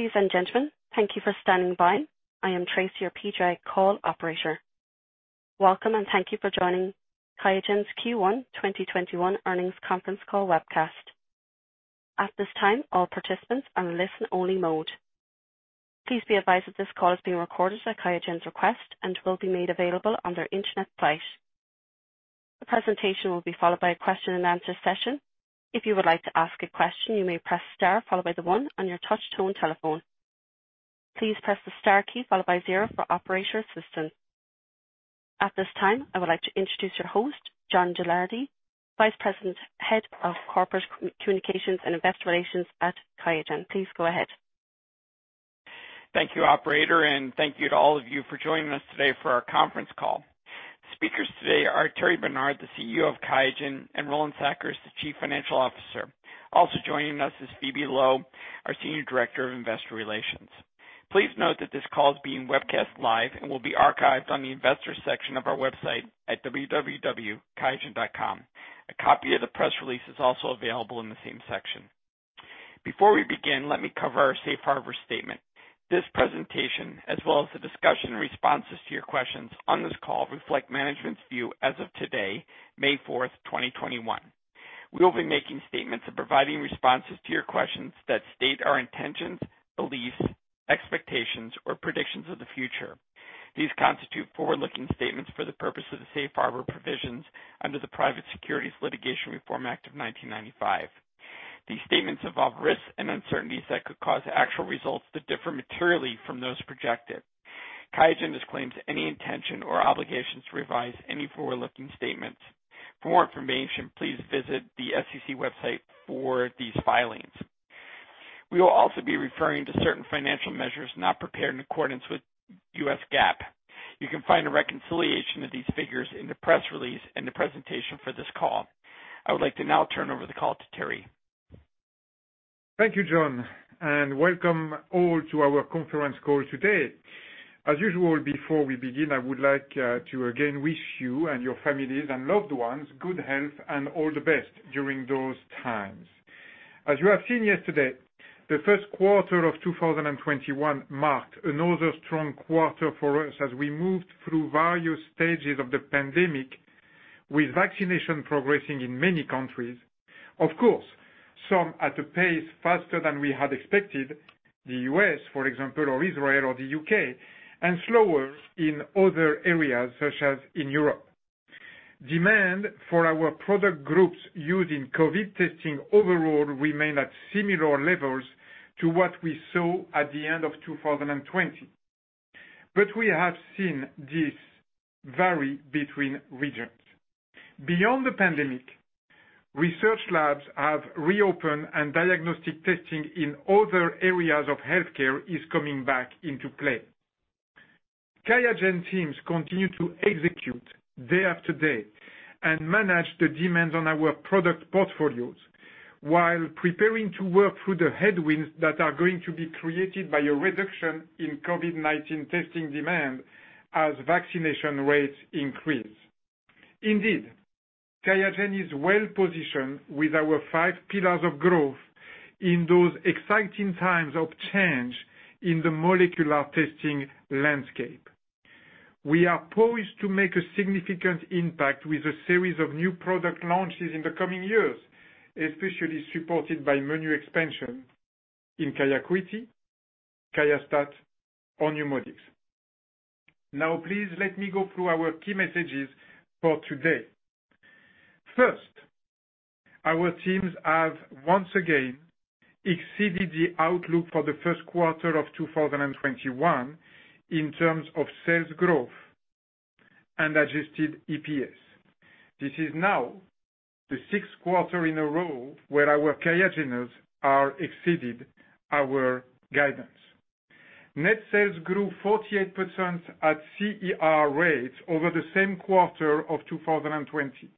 Ladies and gentlemen, thank you for standing by. I am Tracey, your PGi call operator. Welcome and thank you for joining QIAGEN's Q1 2021 earnings conference call webcast. At this time, all participants are in listen-only mode. Please be advised that this call is being recorded at QIAGEN's request and will be made available on their internet site. The presentation will be followed by a question-and-answer session. If you would like to ask a question, you may press star followed by the one on your touch-tone telephone. Please press the star key followed by zero for operator assistance. At this time, I would like to introduce your host, John Gilardi, VP, Head of Corporate Communications and Investor Relations at QIAGEN. Please go ahead. Thank you, Operator, and thank you to all of you for joining us today for our conference call. Speakers today are Thierry Bernard, the CEO of QIAGEN, and Roland Sackers, the CFO. Also joining us is Phoebe Loh, our Senior Director of Investor Relations. Please note that this call is being webcast live and will be archived on the investor section of our website at www.qiagen.com. A copy of the press release is also available in the same section. Before we begin, let me cover our Safe Harbor statement. This presentation, as well as the discussion responses to your questions on this call, reflect management's view as of today, May 4th, 2021. We will be making statements and providing responses to your questions that state our intentions, beliefs, expectations, or predictions of the future. These constitute forward-looking statements for the purpose of the Safe Harbor provisions under the Private Securities Litigation Reform Act of 1995. These statements involve risks and uncertainties that could cause actual results to differ materially from those projected. QIAGEN disclaims any intention or obligations to revise any forward-looking statements. For more information, please visit the SEC website for these filings. We will also be referring to certain financial measures not prepared in accordance with US GAAP. You can find a reconciliation of these figures in the press release and the presentation for this call. I would like to now turn over the call to Thierry. Thank you, John, and welcome all to our conference call today. As usual, before we begin, I would like to again wish you and your families and loved ones good health and all the best during those times. As you have seen yesterday, the first quarter of 2021 marked another strong quarter for us as we moved through various stages of the pandemic, with vaccination progressing in many countries. Of course, some at a pace faster than we had expected, the U.S., for example, or Israel or the U.K., and slower in other areas such as in Europe. Demand for our product groups using COVID testing overall remained at similar levels to what we saw at the end of 2020, but we have seen this vary between regions. Beyond the pandemic, research labs have reopened and diagnostic testing in other areas of healthcare is coming back into play. QIAGEN teams continue to execute day after day and manage the demands on our product portfolios while preparing to work through the headwinds that are going to be created by a reduction in COVID-19 testing demand as vaccination rates increase. Indeed, QIAGEN is well positioned with our five pillars of growth in those exciting times of change in the molecular testing landscape. We are poised to make a significant impact with a series of new product launches in the coming years, especially supported by menu expansion in QIAcuity, QIAstat-Dx, or NeuMoDx. Now, please let me go through our key messages for today. First, our teams have once again exceeded the outlook for the first quarter of 2021 in terms of sales growth and Adjusted EPS. This is now the sixth quarter in a row where our QIAGENers have exceeded our guidance. Net sales grew 48% at CER rates over the same quarter of 2020.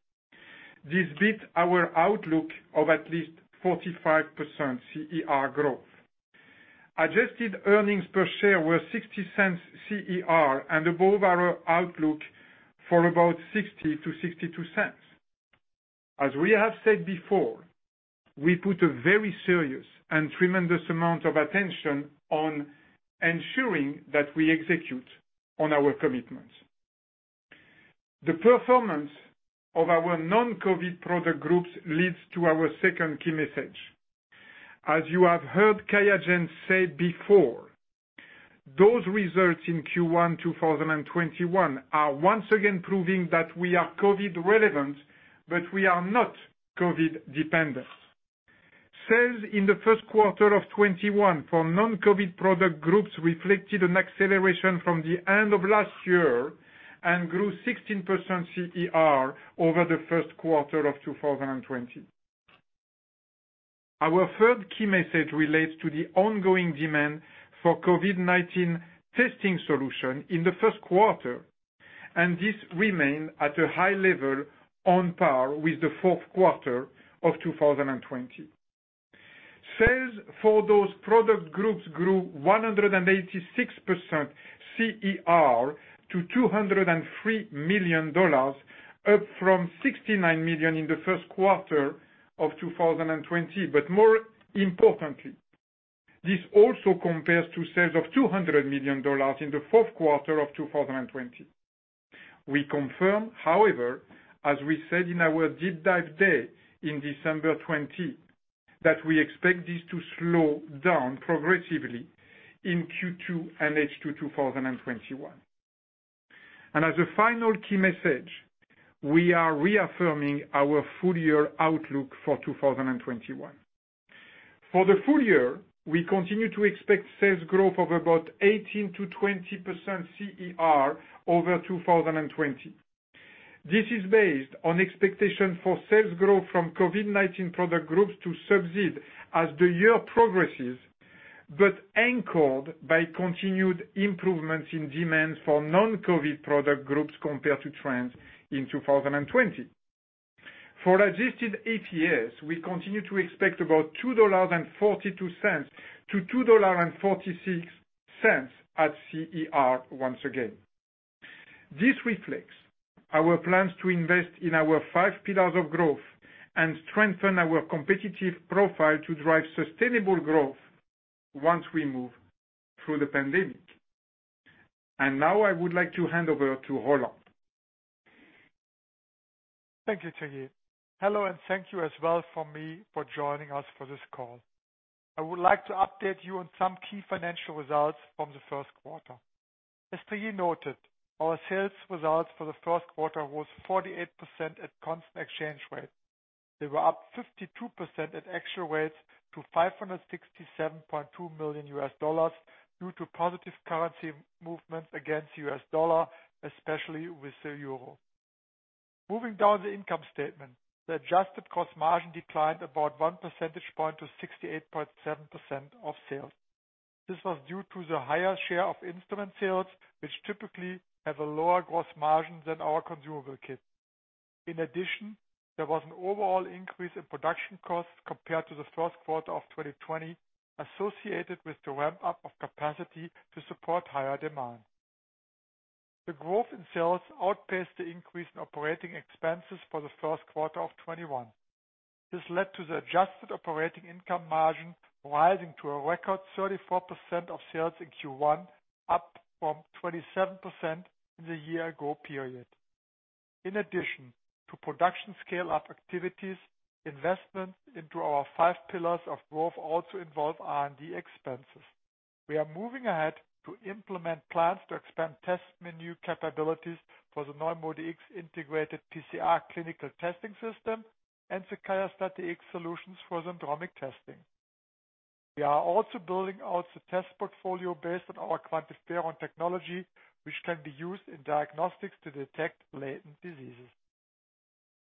This beat our outlook of at least 45% CER growth. Adjusted earnings per share were $0.60 CER and above our outlook for about $0.60-$0.62. As we have said before, we put a very serious and tremendous amount of attention on ensuring that we execute on our commitments. The performance of our non-COVID product groups leads to our second key message. As you have heard QIAGEN say before, those results in Q1 2021 are once again proving that we are COVID-relevant, but we are not COVID-dependent. Sales in the first quarter of 2021 for non-COVID product groups reflected an acceleration from the end of last year and grew 16% CER over the first quarter of 2020. Our third key message relates to the ongoing demand for COVID-19 testing solutions in the first quarter, and this remained at a high level on par with the fourth quarter of 2020. Sales for those product groups grew 186% CER to $203 million, up from $69 million in the first quarter of 2020. But more importantly, this also compares to sales of $200 million in the fourth quarter of 2020. We confirm, however, as we said in our deep dive day in December 2020, that we expect this to slow down progressively in Q2 and H2 2021. And as a final key message, we are reaffirming our full-year outlook for 2021. For the full year, we continue to expect sales growth of about 18%-20% CER over 2020. This is based on expectations for sales growth from COVID-19 product groups to subsist as the year progresses, but anchored by continued improvements in demand for non-COVID product groups compared to trends in 2020. For adjusted EPS, we continue to expect about $2.42-$2.46 at CER once again. This reflects our plans to invest in our five pillars of growth and strengthen our competitive profile to drive sustainable growth once we move through the pandemic. And now, I would like to hand over to Roland. Thank you, Thierry. Hello, and thank you as well from me for joining us for this call. I would like to update you on some key financial results from the first quarter. As Thierry noted, our sales results for the first quarter were 48% at constant exchange rate. They were up 52% at actual rates to $567.2 million due to positive currency movements against the U.S. dollar, especially with the euro. Moving down the income statement, the adjusted gross margin declined about one percentage point to 68.7% of sales. This was due to the higher share of instrument sales, which typically have a lower gross margin than our consumable kits. In addition, there was an overall increase in production costs compared to the first quarter of 2020, associated with the ramp-up of capacity to support higher demand. The growth in sales outpaced the increase in operating expenses for the first quarter of 2021. This led to the adjusted operating income margin rising to a record 34% of sales in Q1, up from 27% in the year-ago period. In addition to production scale-up activities, investments into our five pillars of growth also involve R&D expenses. We are moving ahead to implement plans to expand test menu capabilities for the NeuMoDx integrated PCR clinical testing system and the QIAstat-Dx solutions for syndromic testing. We are also building out the test portfolio based on our QuantiFERON technology, which can be used in diagnostics to detect latent diseases.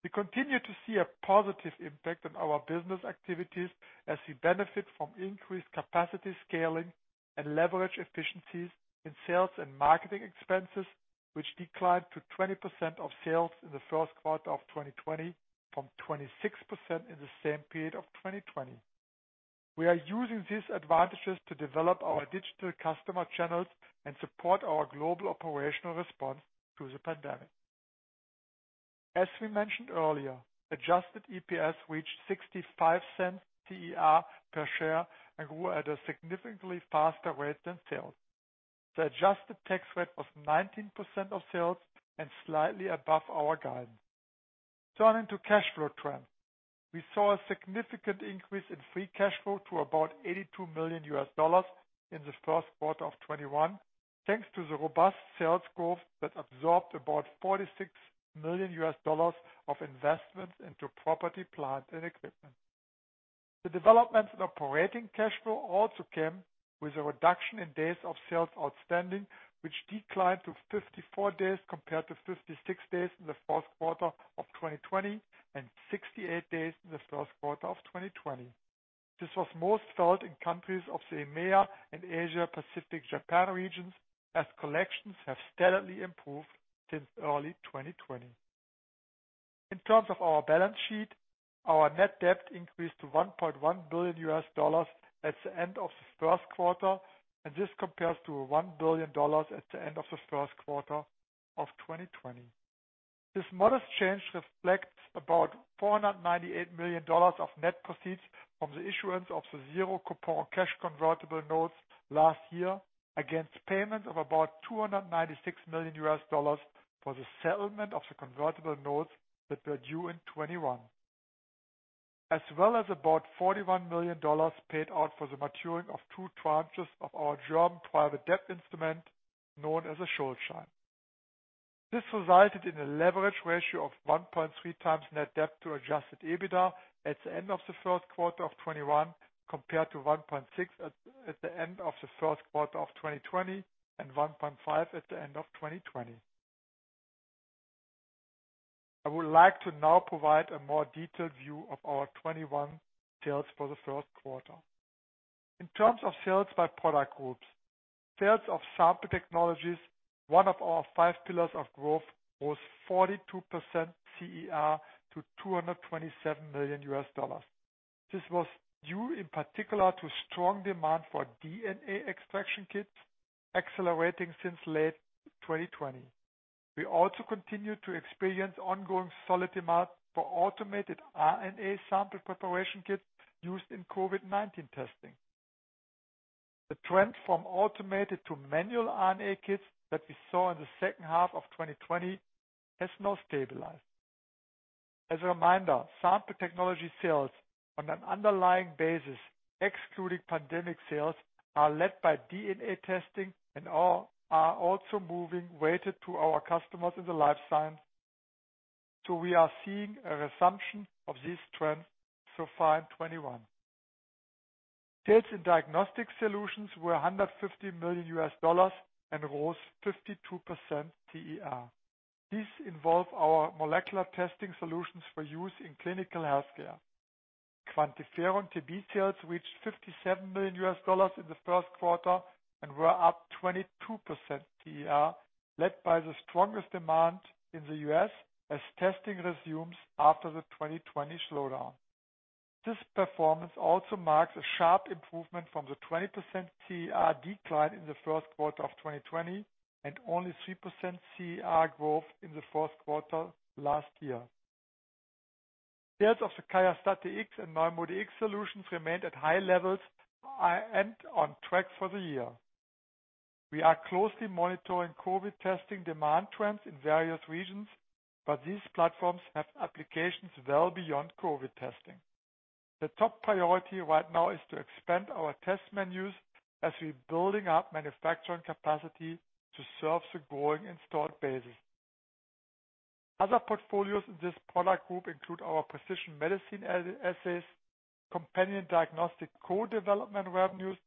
We continue to see a positive impact on our business activities as we benefit from increased capacity scaling and leverage efficiencies in sales and marketing expenses, which declined to 20% of sales in the first quarter of 2021 from 26% in the same period of 2020. We are using these advantages to develop our digital customer channels and support our global operational response to the pandemic. As we mentioned earlier, adjusted EPS reached $0.65 CER per share and grew at a significantly faster rate than sales. The adjusted tax rate was 19% of sales and slightly above our guidance. Turning to cash flow trends, we saw a significant increase in free cash flow to about $82 million in the first quarter of 2021, thanks to the robust sales growth that absorbed about $46 million of investments into property, plants, and equipment. The development in operating cash flow also came with a reduction in days of sales outstanding, which declined to 54 days compared to 56 days in the fourth quarter of 2020 and 68 days in the first quarter of 2020. This was most felt in countries of the EMEA and Asia-Pacific-Japan regions, as collections have steadily improved since early 2020. In terms of our balance sheet, our net debt increased to $1.1 billion at the end of the first quarter, and this compares to $1 billion at the end of the first quarter of 2020. This modest change reflects about $498 million of net proceeds from the issuance of the zero coupon cash convertible notes last year against payments of about $296 million for the settlement of the convertible notes that were due in 2021, as well as about $41 million paid out for the maturing of two tranches of our German private debt instrument known as a Schuldschein. This resulted in a leverage ratio of 1.3 times net debt to adjusted EBITDA at the end of the first quarter of 2021 compared to 1.6 at the end of the first quarter of 2020 and 1.5 at the end of 2020. I would like to now provide a more detailed view of our 2021 sales for the first quarter. In terms of sales by product groups, sales of sample technologies, one of our five pillars of growth, rose 42% CER to $227 million. This was due in particular to strong demand for DNA extraction kits, accelerating since late 2020. We also continue to experience ongoing solid demand for automated RNA sample preparation kits used in COVID-19 testing. The trend from automated to manual RNA kits that we saw in the second half of 2020 has now stabilized. As a reminder, sample technology sales on an underlying basis, excluding pandemic sales, are led by DNA testing and are also moving weighted to our customers in the life science, so we are seeing a resumption of these trends so far in 2021. Sales in diagnostic solutions were $150 million and rose 52% CER. These involve our molecular testing solutions for use in clinical healthcare. QuantiFERON-TB sales reached $57 million in the first quarter and were up 22% CER, led by the strongest demand in the U.S. as testing resumes after the 2020 slowdown. This performance also marks a sharp improvement from the 20% CER decline in the first quarter of 2020 and only 3% CER growth in the fourth quarter last year. Sales of the QIAstat-Dx and NeuMoDx solutions remained at high levels and on track for the year. We are closely monitoring COVID testing demand trends in various regions, but these platforms have applications well beyond COVID testing. The top priority right now is to expand our test menus as we are building up manufacturing capacity to serve the growing installed bases. Other portfolios in this product group include our precision medicine assays, companion diagnostic co-development revenues,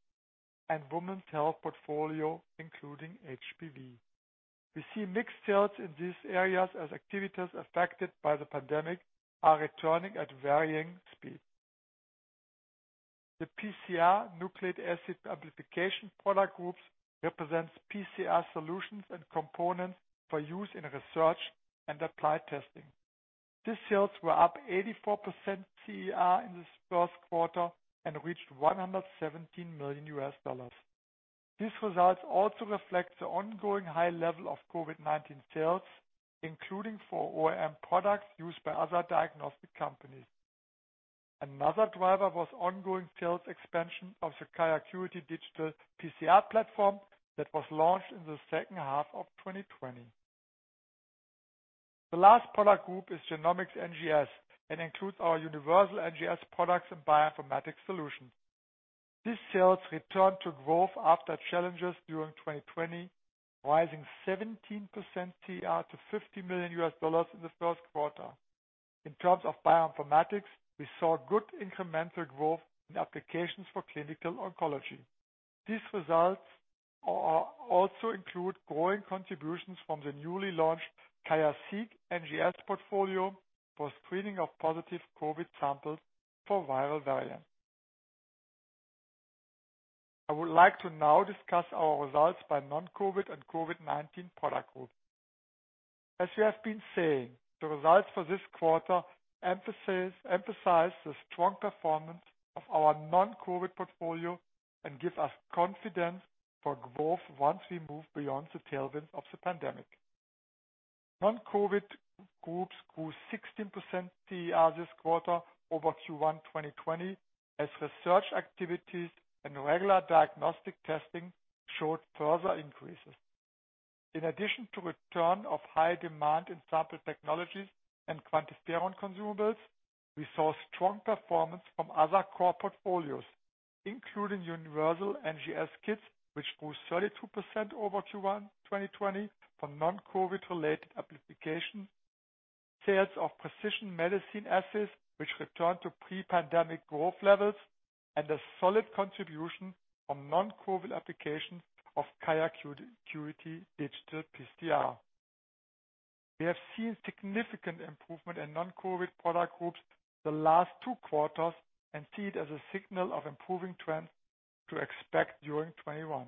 and women's health portfolio, including HPV. We see mixed sales in these areas as activities affected by the pandemic are returning at varying speeds. The PCR nucleic acid amplification product groups represent PCR solutions and components for use in research and applied testing. These sales were up 84% CER in the first quarter and reached $117 million. These results also reflect the ongoing high level of COVID-19 sales, including for OEM products used by other diagnostic companies. Another driver was ongoing sales expansion of the QIAGEN Digital PCR platform that was launched in the second half of 2020. The last product group is genomics NGS and includes our universal NGS products and bioinformatics solutions. These sales returned to growth after challenges during 2020, rising 17% CER to $50 million in the first quarter. In terms of bioinformatics, we saw good incremental growth in applications for clinical oncology. These results also include growing contributions from the newly launched QIAseq NGS portfolio for screening of positive COVID samples for viral variants. I would like to now discuss our results by non-COVID and COVID-19 product groups. As we have been saying, the results for this quarter emphasize the strong performance of our non-COVID portfolio and give us confidence for growth once we move beyond the tailwinds of the pandemic. Non-COVID groups grew 16% CER this quarter over Q1 2020 as research activities and regular diagnostic testing showed further increases. In addition to the return of high demand in sample technologies and QuantiFERON consumables, we saw strong performance from other core portfolios, including universal NGS kits, which grew 32% over Q1 2020 from non-COVID-related amplification, sales of precision medicine assays, which returned to pre-pandemic growth levels, and a solid contribution from non-COVID applications of QIAGEN Digital PCR. We have seen significant improvement in non-COVID product groups the last two quarters and see it as a signal of improving trends to expect during 2021.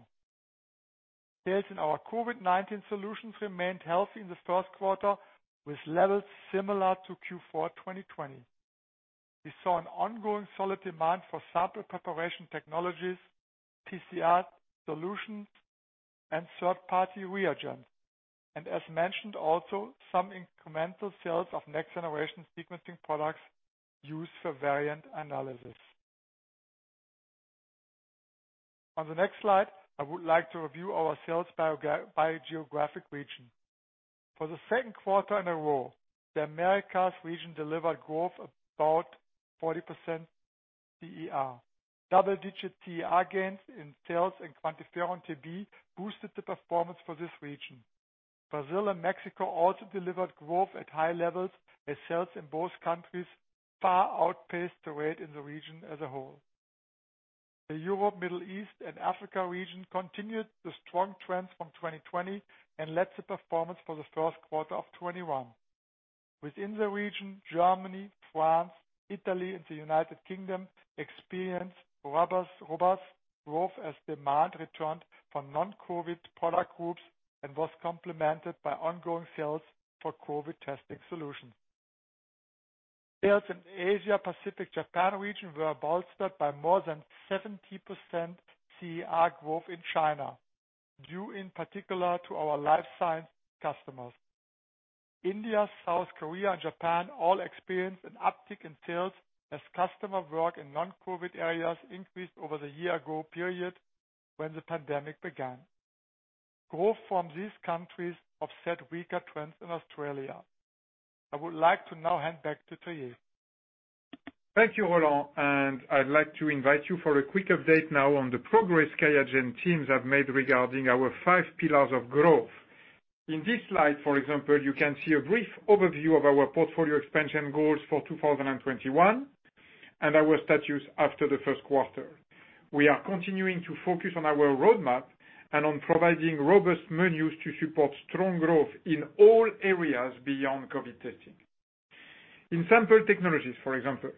Sales in our COVID-19 solutions remained healthy in the first quarter, with levels similar to Q4 2020. We saw an ongoing solid demand for sample preparation technologies, PCR solutions, and third-party reagents, and, as mentioned, also some incremental sales of next-generation sequencing products used for variant analysis. On the next slide, I would like to review our sales by geographic region. For the second quarter in a row, the Americas region delivered growth of about 40% CER. Double-digit CER gains in sales in QuantiFERON-TB boosted the performance for this region. Brazil and Mexico also delivered growth at high levels, as sales in both countries far outpaced the rate in the region as a whole. The Europe, Middle East, and Africa region continued the strong trends from 2020 and led to performance for the first quarter of 2021. Within the region, Germany, France, Italy, and the United Kingdom experienced robust growth as demand returned for non-COVID product groups and was complemented by ongoing sales for COVID testing solutions. Sales in the Asia-Pacific-Japan region were bolstered by more than 70% CER growth in China, due in particular to our life science customers. India, South Korea, and Japan all experienced an uptick in sales as customer work in non-COVID areas increased over the year-ago period when the pandemic began. Growth from these countries offset weaker trends in Australia. I would like to now hand back to Thierry. Thank you, Roland, and I'd like to invite you for a quick update now on the progress QIAGEN teams have made regarding our five pillars of growth. In this slide, for example, you can see a brief overview of our portfolio expansion goals for 2021 and our status after the first quarter. We are continuing to focus on our roadmap and on providing robust menus to support strong growth in all areas beyond COVID testing. In sample technologies, for example,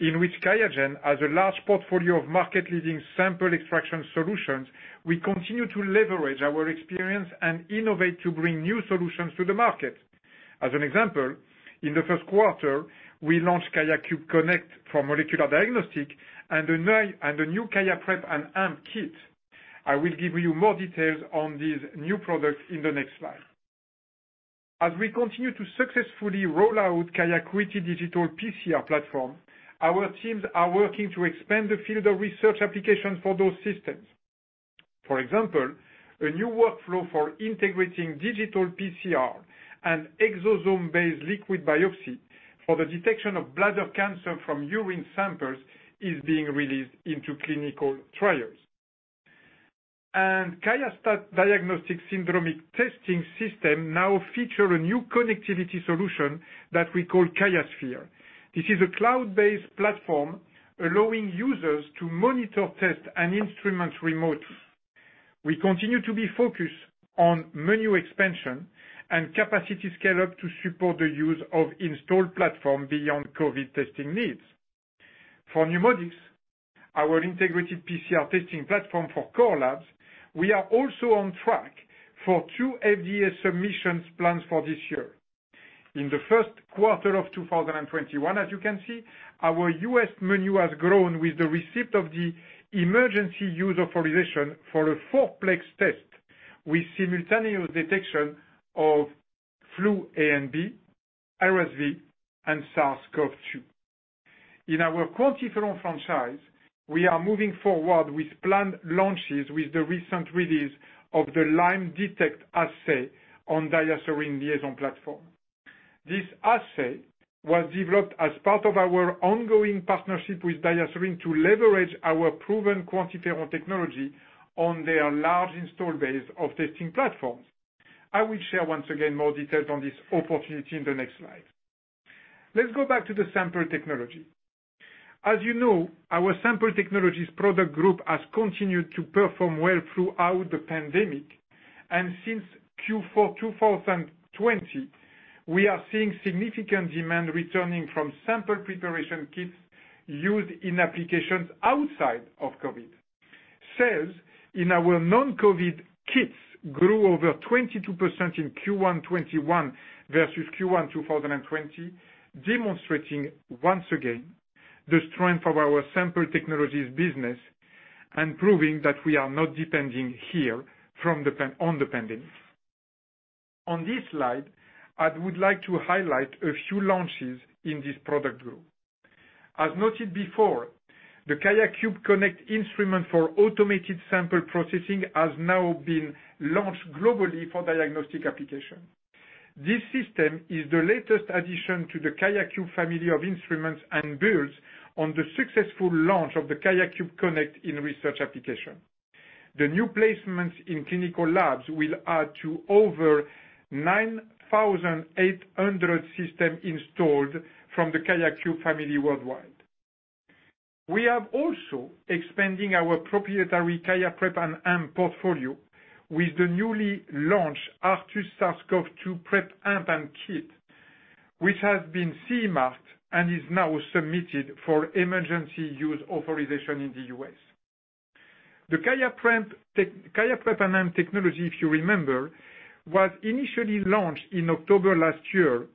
in which QIAGEN has a large portfolio of market-leading sample extraction solutions, we continue to leverage our experience and innovate to bring new solutions to the market. As an example, in the first quarter, we launched QIAcube Connect for molecular diagnostic and a new QIAprep&amp Kit. I will give you more details on these new products in the next slide. As we continue to successfully roll out QIAGEN Digital PCR platform, our teams are working to expand the field of research applications for those systems. For example, a new workflow for integrating digital PCR and exosome-based liquid biopsy for the detection of bladder cancer from urine samples is being released into clinical trials. QIAstat-Dx diagnostic syndromic testing system now features a new connectivity solution that we call QIAsphere. This is a cloud-based platform allowing users to monitor, test, and instrument remotely. We continue to be focused on menu expansion and capacity scale-up to support the use of installed platforms beyond COVID testing needs. For NeuMoDx, our integrated PCR testing platform for core labs, we are also on track for two FDA submissions plans for this year. In the first quarter of 2021, as you can see, our U.S. menu has grown with the receipt of the emergency use authorization for a four-plex test with simultaneous detection of flu A and B, RSV, and SARS-CoV-2. In our QuantiFERON franchise, we are moving forward with planned launches with the recent release of the LIAISON LymeDetect assay on DiaSorin's LIAISON platform. This assay was developed as part of our ongoing partnership with DiaSorin to leverage our proven QuantiFERON technology on their large installed base of testing platforms. I will share once again more details on this opportunity in the next slide. Let's go back to the sample technology. As you know, our sample technologies product group has continued to perform well throughout the pandemic, and since Q4 2020, we are seeing significant demand returning from sample preparation kits used in applications outside of COVID. Sales in our non-COVID kits grew over 22% in Q1 2021 versus Q1 2020, demonstrating once again the strength of our sample technologies business and proving that we are not depending here on the pandemic. On this slide, I would like to highlight a few launches in this product group. As noted before, the QIAcube Connect instrument for automated sample processing has now been launched globally for diagnostic application. This system is the latest addition to the QIAcube family of instruments and builds on the successful launch of the QIAcube Connect in research application. The new placements in clinical labs will add to over 9,800 systems installed from the QIAcube family worldwide. We are also expanding our proprietary QIAprep&amp portfolio with the newly launched artus SARS-CoV-2 Prep&Amp Kit, which has been CE marked and is now submitted for Emergency Use Authorization in the U.S. The QIAprep&amp technology, if you remember, was initially launched in October last year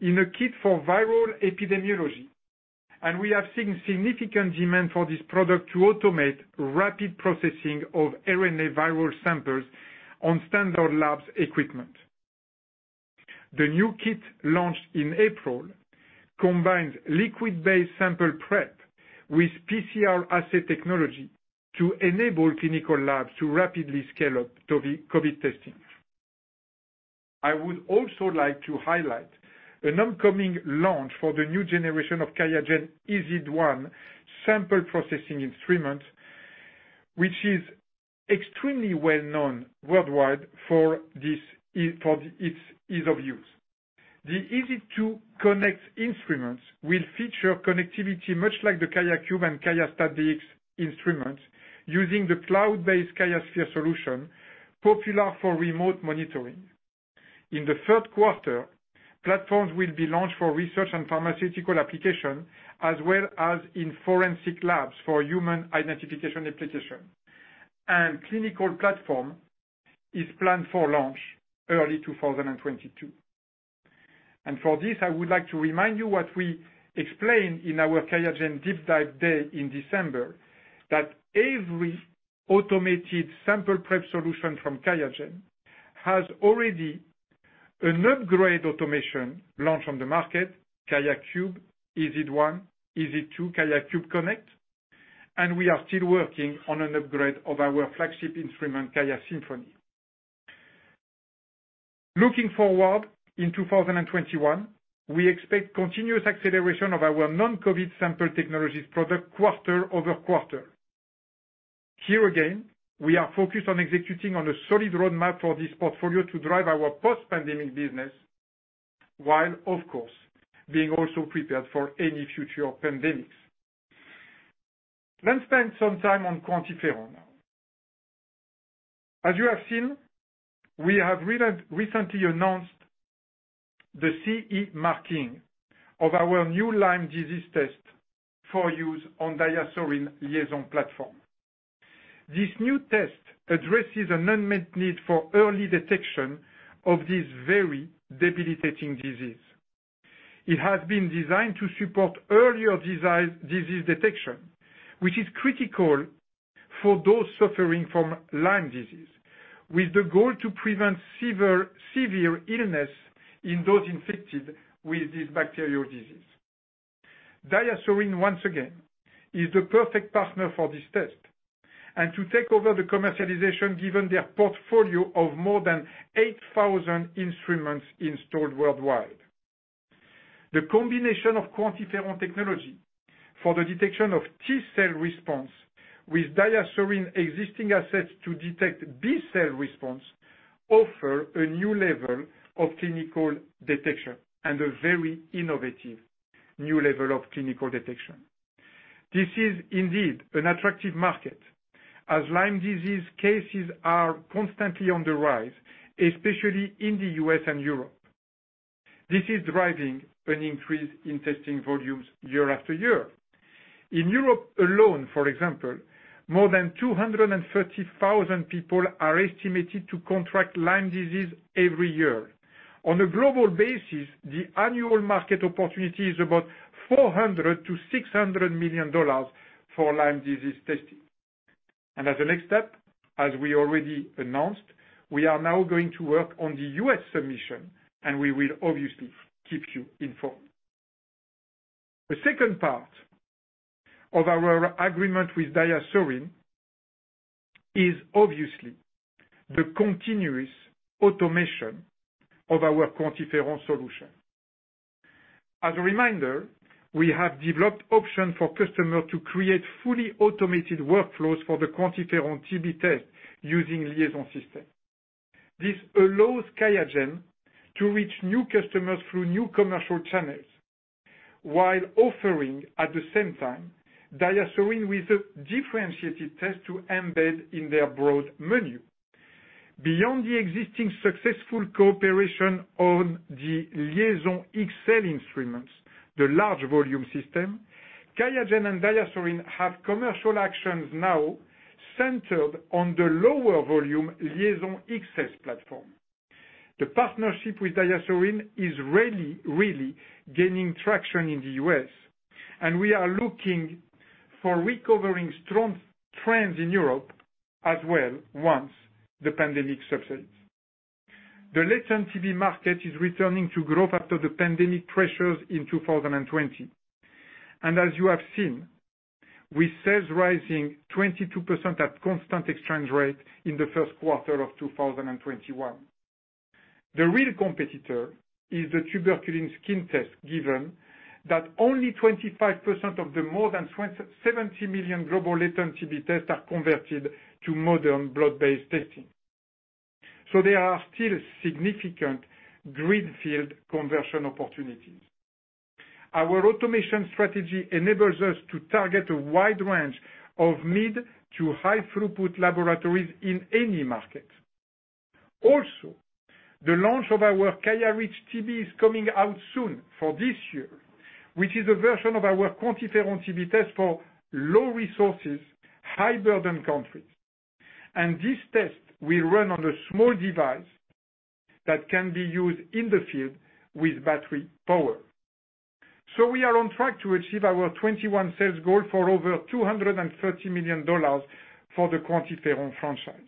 in a kit for viral epidemiology, and we have seen significant demand for this product to automate rapid processing of RNA viral samples on standard lab equipment. The new kit launched in April combines liquid-based sample prep with PCR assay technology to enable clinical labs to rapidly scale up COVID testing. I would also like to highlight an upcoming launch for the new generation of QIAGEN EZ1 sample processing instrument, which is extremely well-known worldwide for its ease of use. The EZ2 Connect instruments will feature connectivity much like the QIAcube and QIAstat-Dx instruments using the cloud-based QIAsphere solution popular for remote monitoring. In the third quarter, platforms will be launched for research and pharmaceutical application, as well as in forensic labs for human identification application, and a clinical platform is planned for launch early 2022. For this, I would like to remind you what we explained in our QIAGEN Deep Dive Day in December, that every automated sample prep solution from QIAGEN has already an upgrade automation launched on the market: QIAcube, EZ1, EZ2 Connect, QIAcube Connect, and we are still working on an upgrade of our flagship instrument, QIAsymphony. Looking forward in 2021, we expect continuous acceleration of our non-COVID sample technologies product quarter-over-quarter. Here again, we are focused on executing on a solid roadmap for this portfolio to drive our post-pandemic business while, of course, being also prepared for any future pandemics. Let's spend some time on QuantiFERON now. As you have seen, we have recently announced the CE marking of our new Lyme disease test for use on DiaSorin LIAISON platform. This new test addresses an unmet need for early detection of this very debilitating disease. It has been designed to support earlier disease detection, which is critical for those suffering from Lyme disease, with the goal to prevent severe illness in those infected with this bacterial disease. DiaSorin, once again, is the perfect partner for this test and to take over the commercialization given their portfolio of more than 8,000 instruments installed worldwide. The combination of QuantiFERON technology for the detection of T-cell response with DiaSorin existing assets to detect B-cell response offers a new level of clinical detection and a very innovative new level of clinical detection. This is indeed an attractive market as Lyme disease cases are constantly on the rise, especially in the U.S. and Europe. This is driving an increase in testing volumes year-after-year. In Europe alone, for example, more than 230,000 people are estimated to contract Lyme disease every year. On a global basis, the annual market opportunity is about $400 million-$600 million for Lyme disease testing. And as a next step, as we already announced, we are now going to work on the U.S. submission, and we will obviously keep you informed. The second part of our agreement with DiaSorin is obviously the continuous automation of our QuantiFERON solution. As a reminder, we have developed options for customers to create fully automated workflows for the QuantiFERON-TB test using LIAISON system. This allows QIAGEN to reach new customers through new commercial channels while offering at the same time DiaSorin with a differentiated test to embed in their broad menu. Beyond the existing successful cooperation on the LIAISON XL instruments, the large volume system, QIAGEN and DiaSorin have commercial actions now centered on the lower volume LIAISON XS platform. The partnership with DiaSorin is really gaining traction in the U.S., and we are looking for recovering strong trends in Europe as well once the pandemic subsides. The latent TB market is returning to growth after the pandemic pressures in 2020, and as you have seen, with sales rising 22% at constant exchange rate in the first quarter of 2021. The real competitor is the tuberculin skin test, given that only 25% of the more than 70 million global latent TB tests are converted to modern blood-based testing. So there are still significant greenfield conversion opportunities. Our automation strategy enables us to target a wide range of mid to high-throughput laboratories in any market. Also, the launch of our QIAreach TB is coming out soon for this year, which is a version of our QuantiFERON-TB test for low-resource, high-burden countries. This test will run on a small device that can be used in the field with battery power. We are on track to achieve our 2021 sales goal for over $230 million for the QuantiFERON franchise.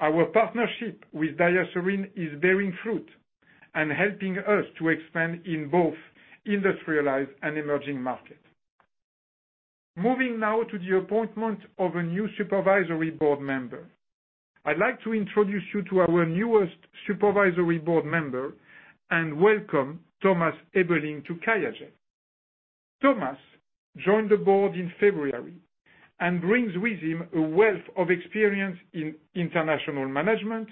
Our partnership with DiaSorin is bearing fruit and helping us to expand in both industrialized and emerging markets. Moving now to the appointment of a new supervisory board member, I'd like to introduce you to our newest supervisory board member and welcome Thomas Ebeling to QIAGEN. Thomas joined the board in February and brings with him a wealth of experience in international management,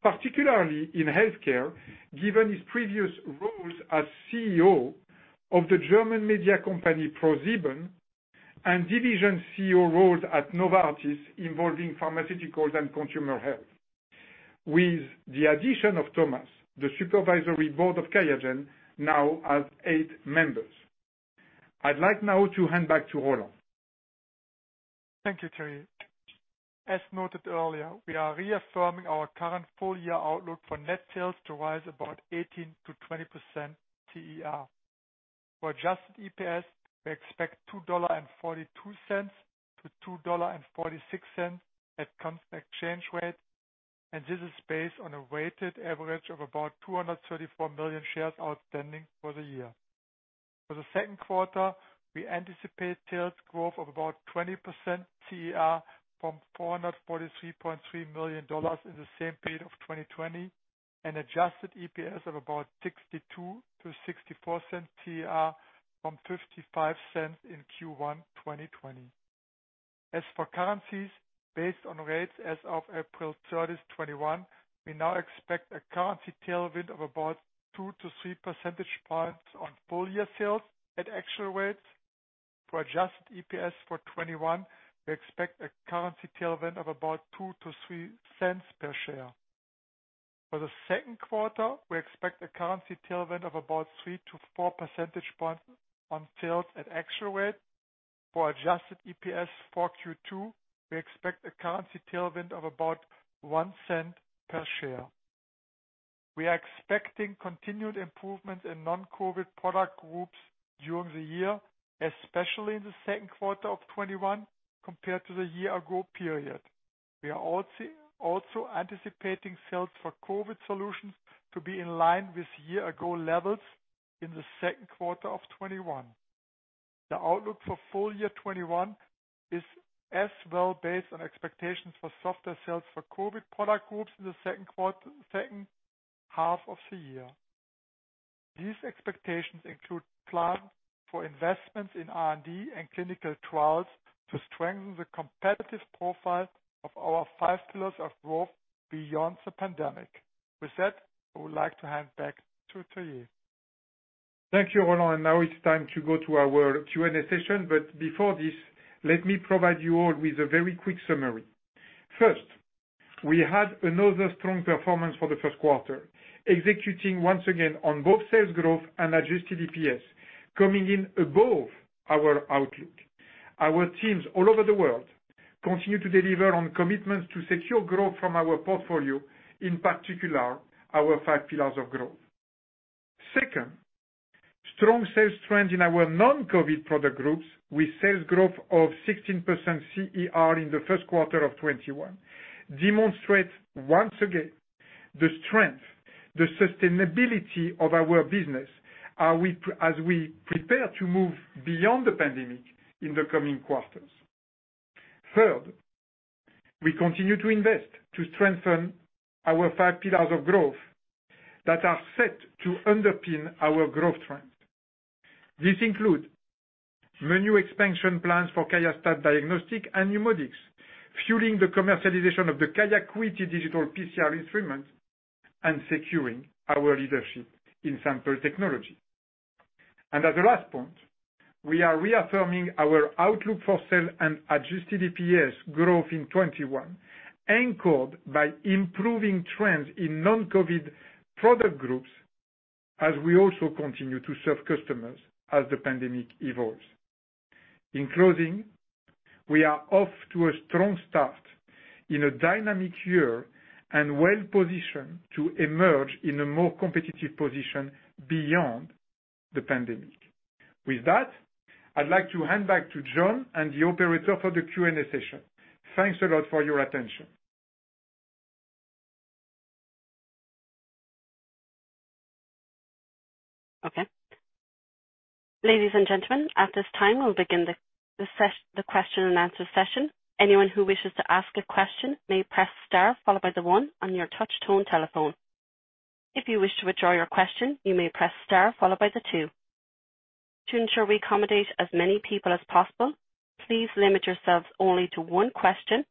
particularly in healthcare, given his previous roles as CEO of the German media company ProSieben and division CEO roles at Novartis involving pharmaceuticals and consumer health. With the addition of Thomas, the supervisory board of QIAGEN now has eight members. I'd like now to hand back to Roland. Thank you, Thierry. As noted earlier, we are reaffirming our current full-year outlook for net sales to rise about 18%-20% CER. For adjusted EPS, we expect $2.42-$2.46 at constant exchange rate, and this is based on a weighted average of about 234 million shares outstanding for the year. For the second quarter, we anticipate sales growth of about 20% CER from $443.3 million in the same period of 2020 and adjusted EPS of about 62 cents-64 cents CER from 55 cents in Q1 2020. As for currencies, based on rates as of April 30, 2021, we now expect a currency tailwind of about 2-3 percentage points on full-year sales at actual rates. For adjusted EPS for 2021, we expect a currency tailwind of about 2-3 cents per share. For the second quarter, we expect a currency tailwind of about 3-4 percentage points on sales at actual rates. For adjusted EPS for Q2, we expect a currency tailwind of about $0.01 per share. We are expecting continued improvements in non-COVID product groups during the year, especially in the second quarter of 2021 compared to the year-ago period. We are also anticipating sales for COVID solutions to be in line with year-ago levels in the second quarter of 2021. The outlook for full-year 2021 is as well based on expectations for softer sales for COVID product groups in the second half of the year. These expectations include plans for investments in R&D and clinical trials to strengthen the competitive profile of our five pillars of growth beyond the pandemic. With that, I would like to hand back to Thierry. Thank you, Roland. Now it's time to go to our Q&A session, but before this, let me provide you all with a very quick summary. First, we had another strong performance for the first quarter, executing once again on both sales growth and adjusted EPS, coming in above our outlook. Our teams all over the world continue to deliver on commitments to secure growth from our portfolio, in particular our five pillars of growth. Second, strong sales trends in our non-COVID product groups with sales growth of 16% CER in the first quarter of 2021 demonstrate once again the strength, the sustainability of our business as we prepare to move beyond the pandemic in the coming quarters. Third, we continue to invest to strengthen our five pillars of growth that are set to underpin our growth trends. These include menu expansion plans for QIAstat-Dx and NeuMoDx, fueling the commercialization of the QIAcuity digital PCR instrument and securing our leadership in sample technology, and as a last point, we are reaffirming our outlook for sales and adjusted EPS growth in 2021, anchored by improving trends in non-COVID product groups as we also continue to serve customers as the pandemic evolves. In closing, we are off to a strong start in a dynamic year and well-positioned to emerge in a more competitive position beyond the pandemic. With that, I'd like to hand back to John and the operator for the Q&A session. Thanks a lot for your attention. Okay. Ladies and gentlemen, at this time, we'll begin the question and answer session. Anyone who wishes to ask a question may press star followed by the one on your touch-tone telephone. If you wish to withdraw your question, you may press star followed by the two. To ensure we accommodate as many people as possible, please limit yourselves only to one question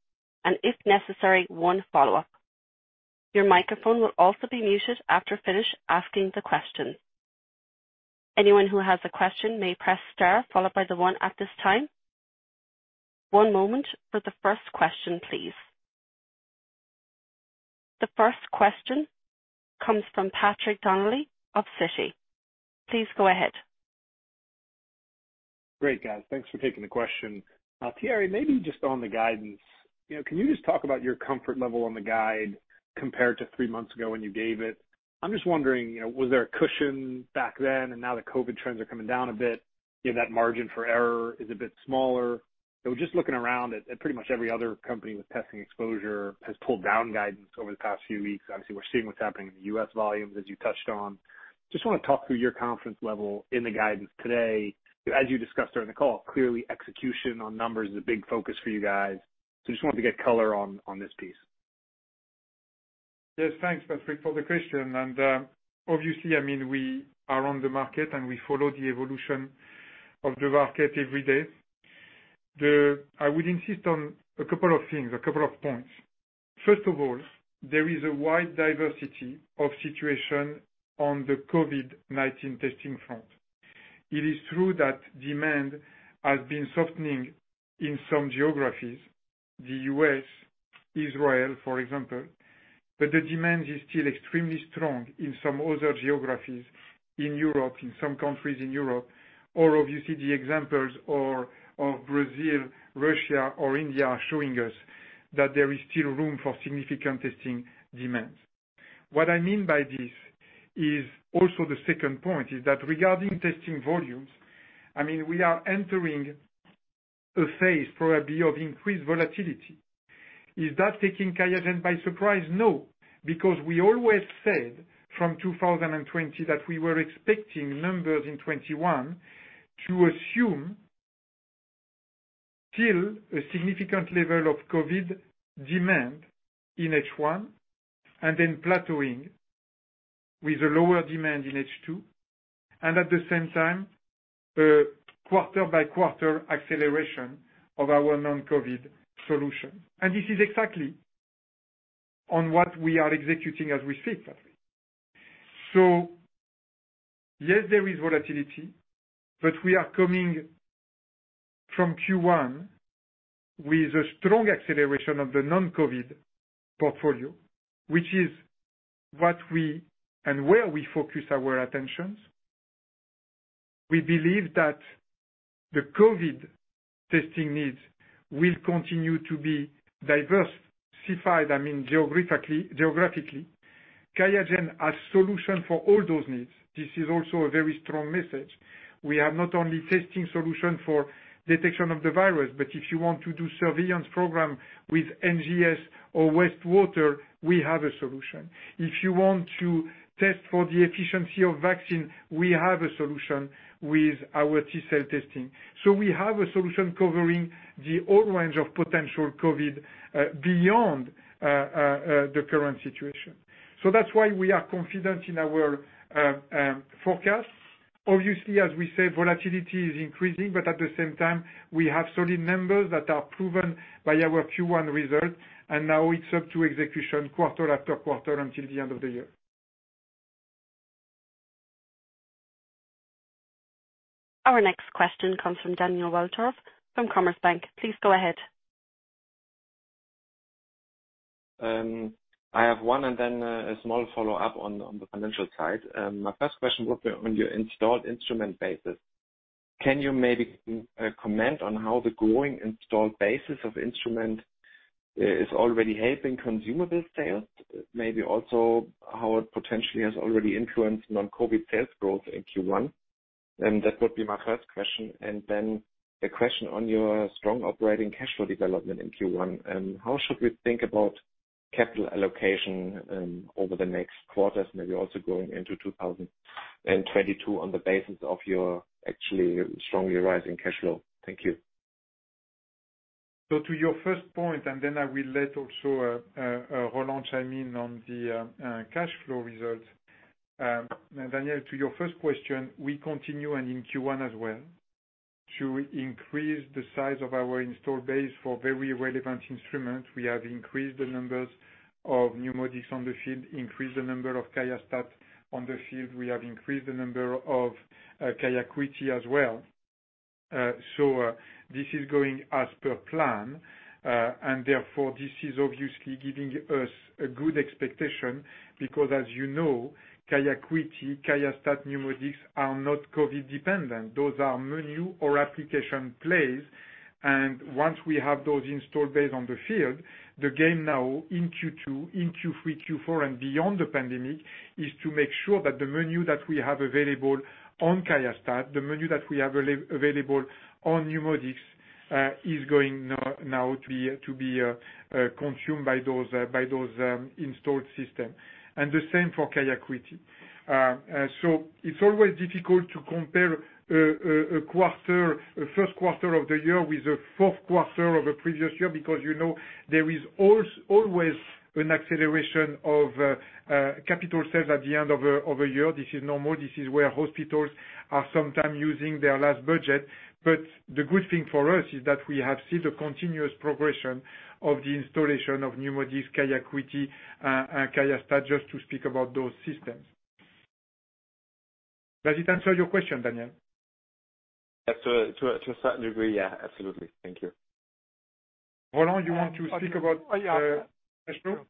and, if necessary, one follow-up. Your microphone will also be muted after finished asking the questions. Anyone who has a question may press star followed by the one at this time. One moment for the first question, please. The first question comes from Patrick Donnelly of Citi. Please go ahead. Great, guys. Thanks for taking the question. Thierry, maybe just on the guidance, can you just talk about your comfort level on the guide compared to three months ago when you gave it? I'm just wondering, was there a cushion back then? And now that COVID trends are coming down a bit, that margin for error is a bit smaller. Just looking around at pretty much every other company with testing exposure has pulled down guidance over the past few weeks. Obviously, we're seeing what's happening in the U.S. volumes, as you touched on. Just want to talk through your confidence level in the guidance today. As you discussed during the call, clearly execution on numbers is a big focus for you guys. So just wanted to get color on this piece. Yes, thanks, Patrick, for the question. And obviously, I mean, we are on the market and we follow the evolution of the market every day. I would insist on a couple of things, a couple of points. First of all, there is a wide diversity of situation on the COVID-19 testing front. It is true that demand has been softening in some geographies, the U.S., Israel, for example, but the demand is still extremely strong in some other geographies in Europe, in some countries in Europe, or obviously, the examples of Brazil, Russia, or India are showing us that there is still room for significant testing demands. What I mean by this is also the second point is that regarding testing volumes, I mean, we are entering a phase probably of increased volatility. Is that taking QIAGEN by surprise? No, because we always said from 2020 that we were expecting numbers in 2021 to assume still a significant level of COVID demand in H1 and then plateauing with a lower demand in H2, and at the same time, a quarter-by-quarter acceleration of our non-COVID solution, and this is exactly on what we are executing as we speak, Patrick. So yes, there is volatility, but we are coming from Q1 with a strong acceleration of the non-COVID portfolio, which is what we and where we focus our attentions. We believe that the COVID testing needs will continue to be diversified, I mean, geographically. QIAGEN has solutions for all those needs. This is also a very strong message. We have not only testing solutions for detection of the virus, but if you want to do surveillance programs with NGS or wastewater, we have a solution. If you want to test for the efficiency of vaccine, we have a solution with our T-cell testing. So we have a solution covering the whole range of potential COVID beyond the current situation. So that's why we are confident in our forecasts. Obviously, as we say, volatility is increasing, but at the same time, we have solid numbers that are proven by our Q1 results, and now it's up to execution quarter-after-quarter until the end of the year. Our next question comes from Daniel Wendorff from Commerzbank. Please go ahead. I have one and then a small follow-up on the financial side. My first question would be on your installed instrument basis. Can you maybe comment on how the growing installed basis of instrument is already helping consumer sales? Maybe also how it potentially has already influenced non-COVID sales growth in Q1? That would be my first question. And then a question on your strong operating cash flow development in Q1. How should we think about capital allocation over the next quarters, maybe also going into 2022 on the basis of your actually strongly rising cash flow? Thank you. So to your first point, and then I will let also Roland chime in on the cash flow results. Daniel, to your first question, we continue and in Q1 as well to increase the size of our installed base for very relevant instruments. We have increased the numbers of NeuMoDx in the field, increased the number of QIAstat-Dx in the field. We have increased the number of QIAcuity as well. So this is going as per plan, and therefore this is obviously giving us a good expectation because, as you know, QIAcuity, QIAstat-Dx, NeuMoDx are not COVID-dependent. Those are menu or application plays. Once we have those installed base on the field, the game now in Q2, in Q3, Q4, and beyond the pandemic is to make sure that the menu that we have available on QIAstat-Dx, the menu that we have available on NeuMoDx is going now to be consumed by those installed systems. The same for QIAcuity. It's always difficult to compare a first quarter of the year with the fourth quarter of a previous year because there is always an acceleration of capital sales at the end of a year. This is normal. This is where hospitals are sometimes using their last budget. The good thing for us is that we have seen the continuous progression of the installation of NeuMoDx, QIAcuity, and QIAstat-Dx just to speak about those systems. Does it answer your question, Daniel? Yes, to a certain degree, yeah. Absolutely. Thank you. Roland, you want to speak about cash flow?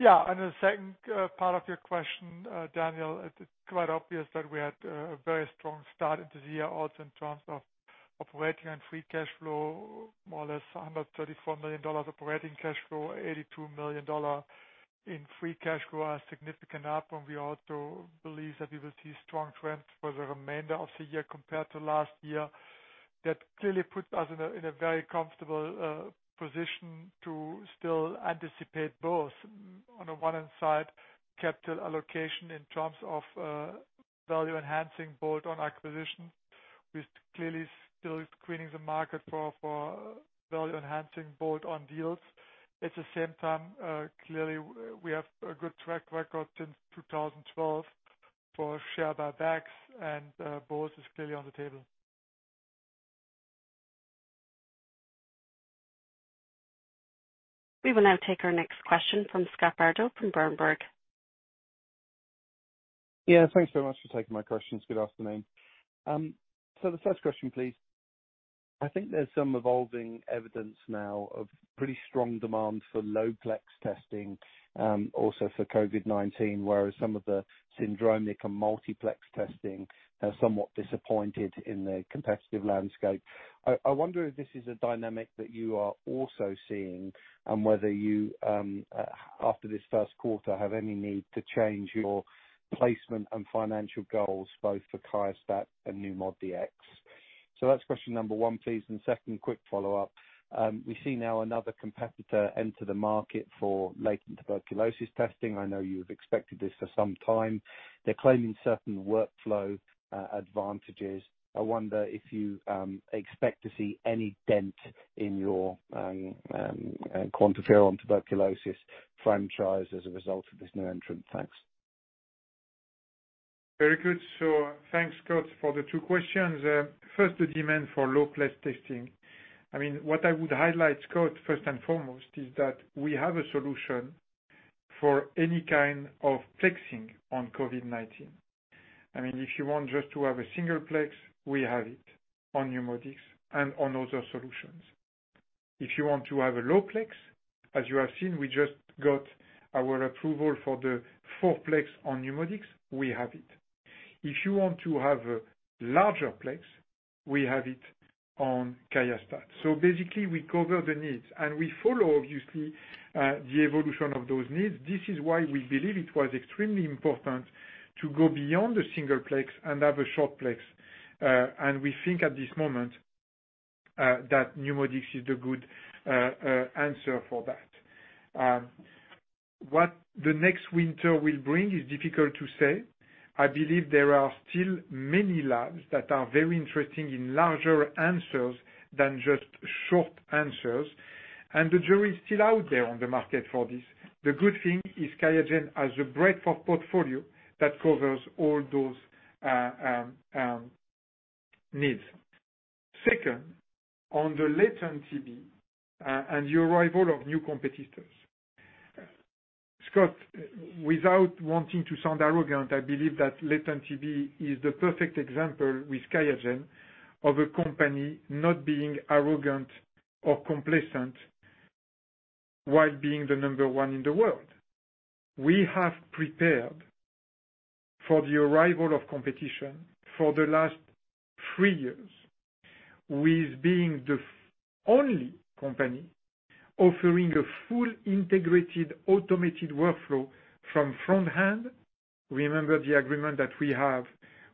Yeah. In the second part of your question, Daniel, it's quite obvious that we had a very strong start into the year also in terms of operating and free cash flow, more or less $134 million operating cash flow, $82 million in free cash flow are significant up. And we also believe that we will see strong trends for the remainder of the year compared to last year. That clearly puts us in a very comfortable position to still anticipate both. On the one hand side, capital allocation in terms of value-enhancing bolt-on acquisition with clearly still screening the market for value-enhancing bolt-on deals. At the same time, clearly, we have a good track record since 2012 for share buybacks, and both is clearly on the table. We will now take our next question from Scott Bardo from Berenberg. Yeah, thanks very much for taking my questions. Good afternoon. So the first question, please. I think there's some evolving evidence now of pretty strong demand for low-plex testing, also for COVID-19, whereas some of the syndromic and multiplex testing have somewhat disappointed in the competitive landscape. I wonder if this is a dynamic that you are also seeing and whether you, after this first quarter, have any need to change your placement and financial goals both for QIAstat-Dx and NeuMoDx. So that's question number one, please. And second, quick follow-up. We see now another competitor enter the market for latent tuberculosis testing. I know you've expected this for some time. They're claiming certain workflow advantages. I wonder if you expect to see any dent in your QuantiFERON tuberculosis franchise as a result of this new entrant. Thanks. Very good. So thanks, Scott, for the two questions. First, the demand for low-plex testing. I mean, what I would highlight, Scott, first and foremost, is that we have a solution for any kind of plexing on COVID-19. I mean, if you want just to have a single plex, we have it on NeuMoDx and on other solutions. If you want to have a low-plex, as you have seen, we just got our approval for the four-plex on NeuMoDx, we have it. If you want to have a larger plex, we have it on QIAstat-Dx. So basically, we cover the needs, and we follow, obviously, the evolution of those needs. This is why we believe it was extremely important to go beyond the single plex and have a short plex. And we think at this moment that NeuMoDx is the good answer for that. What the next winter will bring is difficult to say. I believe there are still many labs that are very interested in larger answers than just short answers, and the jury is still out there on the market for this. The good thing is QIAGEN has a breadth of portfolio that covers all those needs. Second, on the latent TB and the arrival of new competitors. Scott, without wanting to sound arrogant, I believe that latent TB is the perfect example with QIAGEN of a company not being arrogant or complacent while being the number one in the world. We have prepared for the arrival of competition for the last three years with being the only company offering a full integrated automated workflow from front end. Remember the agreement that we have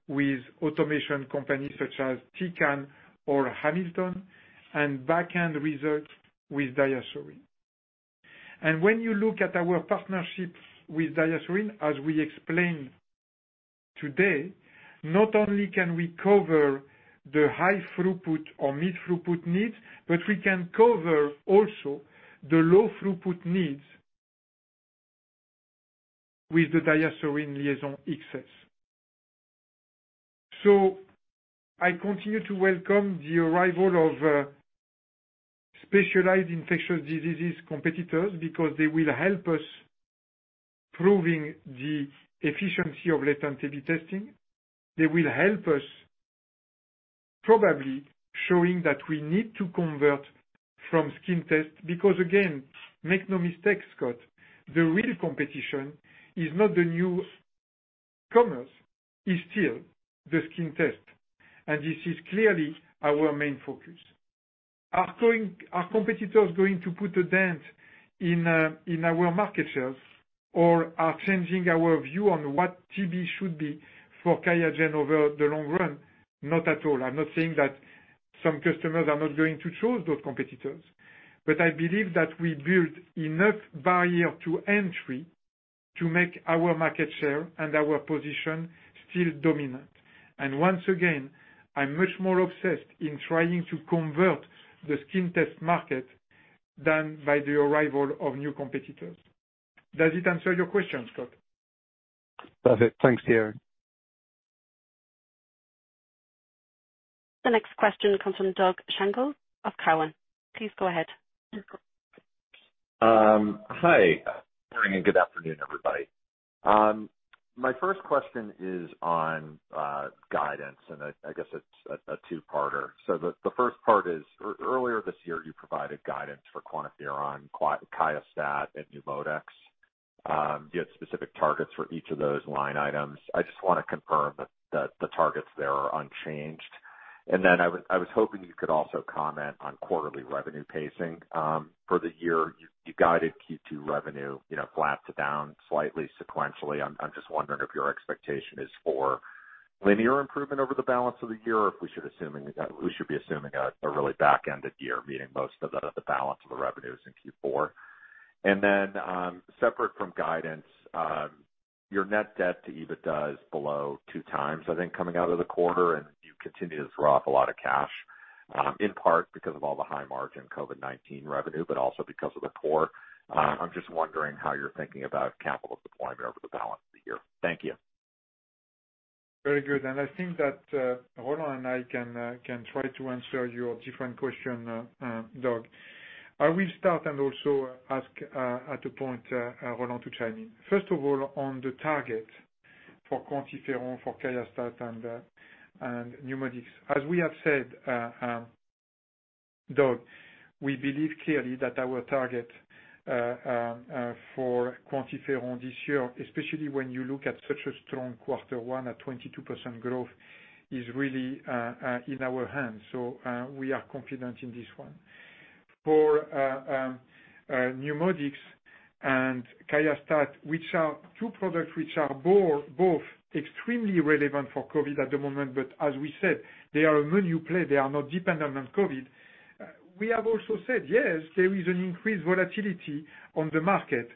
with automation companies such as Tecan or Hamilton and backend results with DiaSorin. When you look at our partnership with DiaSorin, as we explained today, not only can we cover the high throughput or mid-throughput needs, but we can cover also the low throughput needs with the DiaSorin LIAISON XS. So I continue to welcome the arrival of specialized infectious diseases competitors because they will help us proving the efficiency of latent TB testing. They will help us probably showing that we need to convert from skin test because, again, make no mistake, Scott, the real competition is not the newcomers; it's still the skin test. And this is clearly our main focus. Are competitors going to put a dent in our market shares or are changing our view on what TB should be for QIAGEN over the long run? Not at all. I'm not saying that some customers are not going to choose those competitors. But I believe that we built enough barrier to entry to make our market share and our position still dominant. And once again, I'm much more obsessed in trying to convert the skin test market than by the arrival of new competitors. Does it answer your question, Scott? Perfect. Thanks, Thierry. The next question comes from Doug Schenkel of Cowen. Please go ahead. Hi. Good morning and good afternoon, everybody. My first question is on guidance, and I guess it's a two-parter. So the first part is, earlier this year, you provided guidance for QuantiFERON, QIAstat-Dx, and NeuMoDx. You had specific targets for each of those line items. I just want to confirm that the targets there are unchanged. And then I was hoping you could also comment on quarterly revenue pacing. For the year, you guided Q2 revenue flat to down slightly sequentially. I'm just wondering if your expectation is for linear improvement over the balance of the year or if we should assume we should be assuming a really back-ended year, meaning most of the balance of the revenues in Q4. And then separate from guidance, your net debt to EBITDA is below two times, I think, coming out of the quarter, and you continue to throw off a lot of cash, in part because of all the high-margin COVID-19 revenue, but also because of the core. I'm just wondering how you're thinking about capital deployment over the balance of the year. Thank you. Very good. And I think that Roland and I can try to answer your different question, Doug. I will start and also ask at a point Roland to chime in. First of all, on the target for QuantiFERON, for QIAstat-Dx, and NeuMoDx. As we have said, Doug, we believe clearly that our target for QuantiFERON this year, especially when you look at such a strong quarter one at 22% growth, is really in our hands. So we are confident in this one. For NeuMoDx and QIAstat-Dx, which are two products which are both extremely relevant for COVID at the moment, but as we said, they are a menu play. They are not dependent on COVID. We have also said, yes, there is an increased volatility on the market.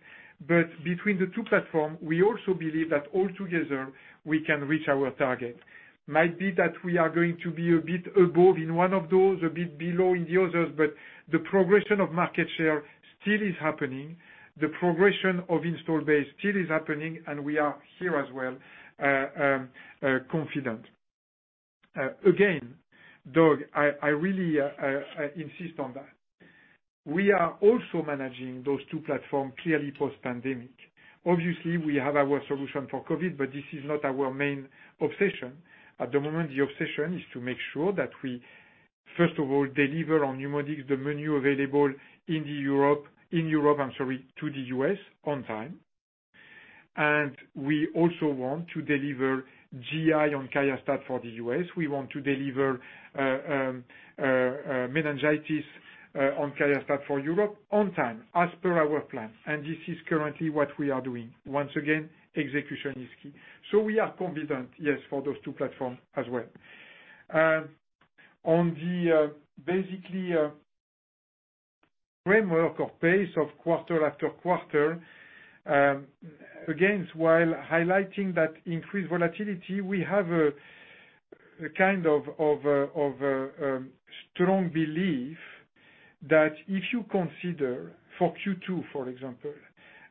But between the two platforms, we also believe that altogether, we can reach our target. Might be that we are going to be a bit above in one of those, a bit below in the others, but the progression of market share still is happening. The progression of installed base still is happening, and we are here as well confident. Again, Doug, I really insist on that. We are also managing those two platforms clearly post-pandemic. Obviously, we have our solution for COVID, but this is not our main obsession. At the moment, the obsession is to make sure that we, first of all, deliver on NeuMoDx, the menu available in Europe, I'm sorry, to the U.S. on time. And we also want to deliver GI on QIAstat-Dx for the U.S. We want to deliver meningitis on QIAstat-Dx for Europe on time, as per our plan. And this is currently what we are doing. Once again, execution is key. So we are confident, yes, for those two platforms as well. On the basic framework or pace of quarter-after-quarter, again, while highlighting that increased volatility, we have a kind of strong belief that if you consider for Q2, for example,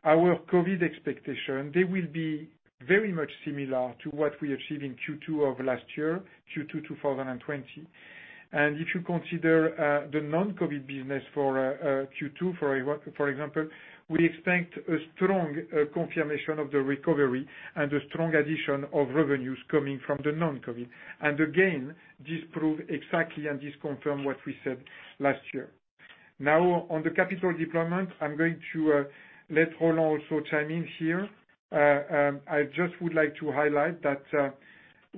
our COVID expectation, they will be very much similar to what we achieved in Q2 of last year, Q2 2020, and if you consider the non-COVID business for Q2, for example, we expect a strong confirmation of the recovery and a strong addition of revenues coming from the non-COVID. Again, this proves exactly and this confirms what we said last year. Now, on the capital deployment, I'm going to let Roland also chime in here. I just would like to highlight that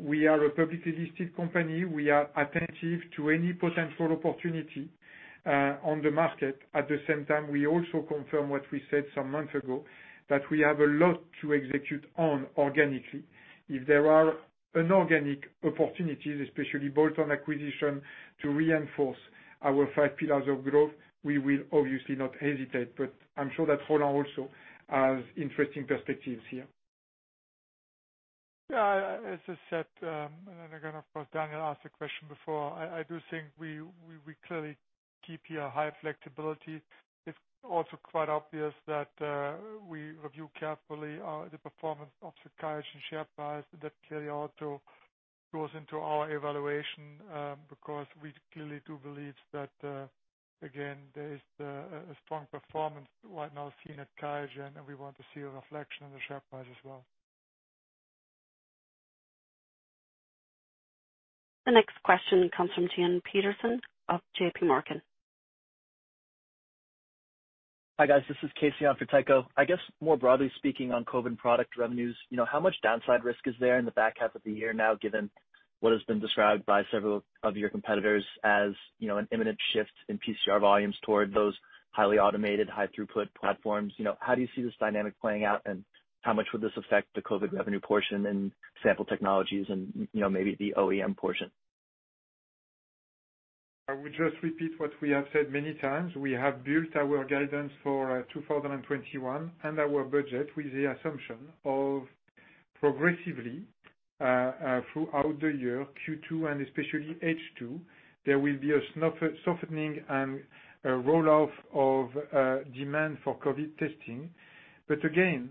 we are a publicly listed company. We are attentive to any potential opportunity on the market. At the same time, we also confirm what we said some months ago, that we have a lot to execute on organically. If there are inorganic opportunities, especially bolt-on acquisition to reinforce our five pillars of growth, we will obviously not hesitate. But I'm sure that Roland also has interesting perspectives here. Yeah, as I said, and again, of course, Daniel asked the question before. I do think we clearly keep here high flexibility. It's also quite obvious that we review carefully the performance of the QIAGEN share price, and that clearly also goes into our evaluation because we clearly do believe that, again, there is a strong performance right now seen at QIAGEN, and we want to see a reflection on the share price as well. The next question comes from Tycho Peterson of JPMorgan. Hi guys, this is Casey for Tycho. I guess more broadly speaking on COVID product revenues, how much downside risk is there in the back half of the year now, given what has been described by several of your competitors as an imminent shift in PCR volumes toward those highly automated, high-throughput platforms? How do you see this dynamic playing out, and how much would this affect the COVID revenue portion in Sample Technologies and maybe the OEM portion? I would just repeat what we have said many times. We have built our guidance for 2021 and our budget with the assumption of progressively throughout the year, Q2 and especially H2, there will be a softening and rollout of demand for COVID testing. But again,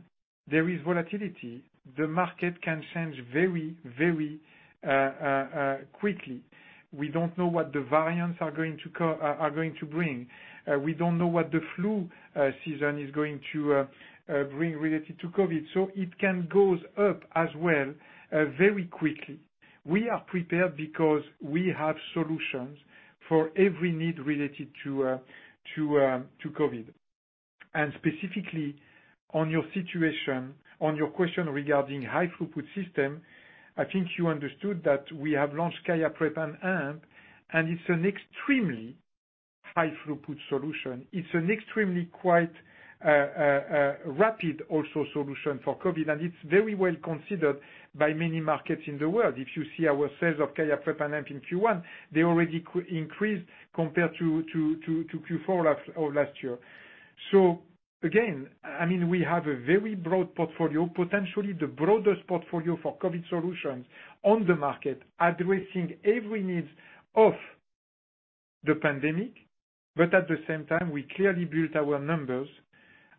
there is volatility. The market can change very, very quickly. We don't know what the variants are going to bring. We don't know what the flu season is going to bring related to COVID. So it can go up as well very quickly. We are prepared because we have solutions for every need related to COVID. And specifically on your situation, on your question regarding high-throughput system, I think you understood that we have launched QIAprep&amp, and it's an extremely high-throughput solution. It's an extremely quite rapid also solution for COVID, and it's very well considered by many markets in the world. If you see our sales of QIAprep&amp in Q1, they already increased compared to Q4 of last year. So again, I mean, we have a very broad portfolio, potentially the broadest portfolio for COVID solutions on the market, addressing every need of the pandemic. But at the same time, we clearly built our numbers,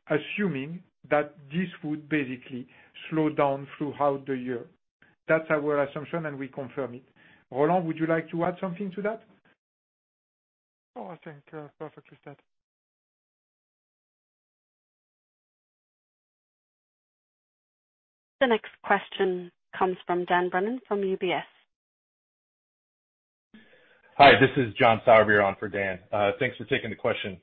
assuming that this would basically slow down throughout the year. That's our assumption, and we confirm it. Roland, would you like to add something to that? Oh, I think perfectly said. The next question comes from Dan Brennan from UBS. Hi, this is John Sourbeer for Dan. Thanks for taking the question.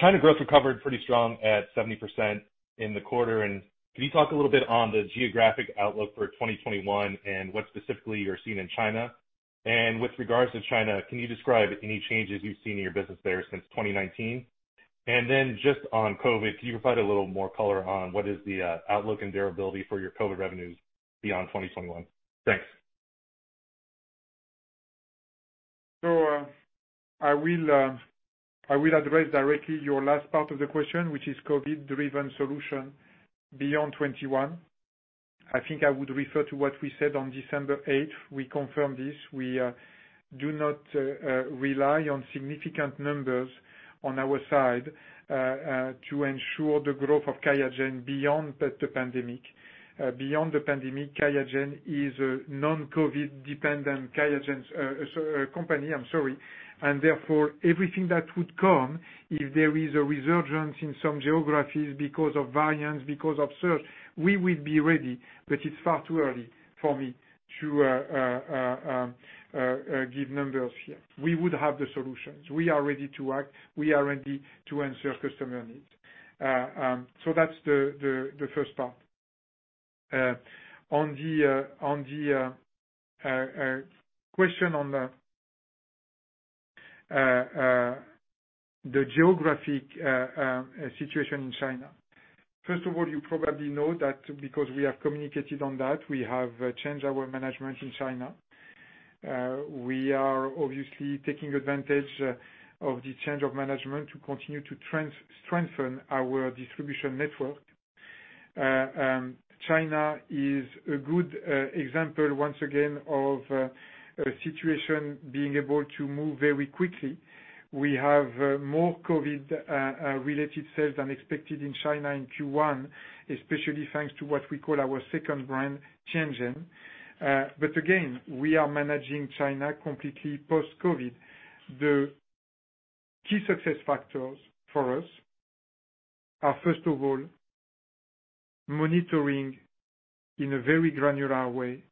China growth recovered pretty strong at 70% in the quarter. And can you talk a little bit on the geographic outlook for 2021 and what specifically you're seeing in China? And with regards to China, can you describe any changes you've seen in your business there since 2019? And then just on COVID, can you provide a little more color on what is the outlook and durability for your COVID revenues beyond 2021? Thanks. So I will address directly your last part of the question, which is COVID-driven solution beyond 2021. I think I would refer to what we said on December 8th. We confirm this. We do not rely on significant numbers on our side to ensure the growth of QIAGEN beyond the pandemic. Beyond the pandemic, QIAGEN is a non-COVID-dependent QIAGEN company, I'm sorry, and therefore, everything that would come if there is a resurgence in some geographies because of variants, because of surge, we would be ready, but it's far too early for me to give numbers here. We would have the solutions. We are ready to act. We are ready to answer customer needs, so that's the first part. On the question on the geographic situation in China, first of all, you probably know that because we have communicated on that; we have changed our management in China. We are obviously taking advantage of the change of management to continue to strengthen our distribution network. China is a good example, once again, of a situation being able to move very quickly. We have more COVID-related sales than expected in China in Q1, especially thanks to what we call our second brand, Tiangen. But again, we are managing China completely post-COVID. The key success factors for us are, first of all, monitoring in a very granular way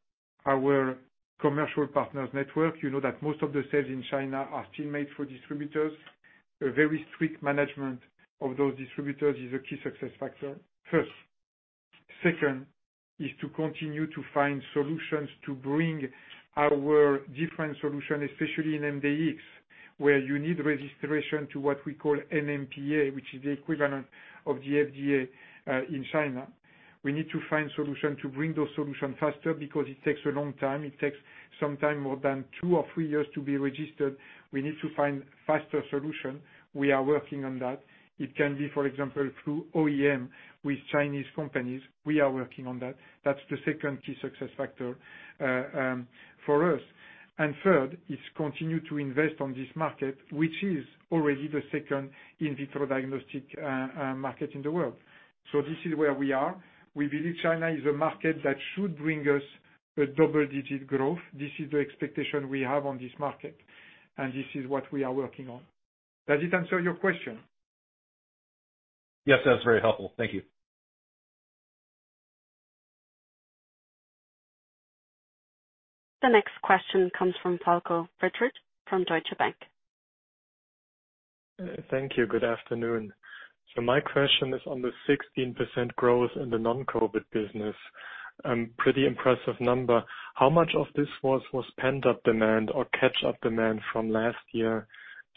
our commercial partners' network. You know that most of the sales in China are still made for distributors. A very strict management of those distributors is a key success factor, first. Second, is to continue to find solutions to bring our different solutions, especially in MDX, where you need registration to what we call NMPA, which is the equivalent of the FDA in China. We need to find solutions to bring those solutions faster because it takes a long time. It takes sometimes more than two or three years to be registered. We need to find faster solutions. We are working on that. It can be, for example, through OEM with Chinese companies. We are working on that. That's the second key success factor for us. And third, is continue to invest on this market, which is already the second in vitro diagnostic market in the world. So this is where we are. We believe China is a market that should bring us a double-digit growth. This is the expectation we have on this market, and this is what we are working on. Does it answer your question? Yes, that's very helpful. Thank you. The next question comes from Falko Friedrichs from Deutsche Bank. Thank you. Good afternoon. So my question is on the 16% growth in the non-COVID business. Pretty impressive number. How much of this was pent-up demand or catch-up demand from last year?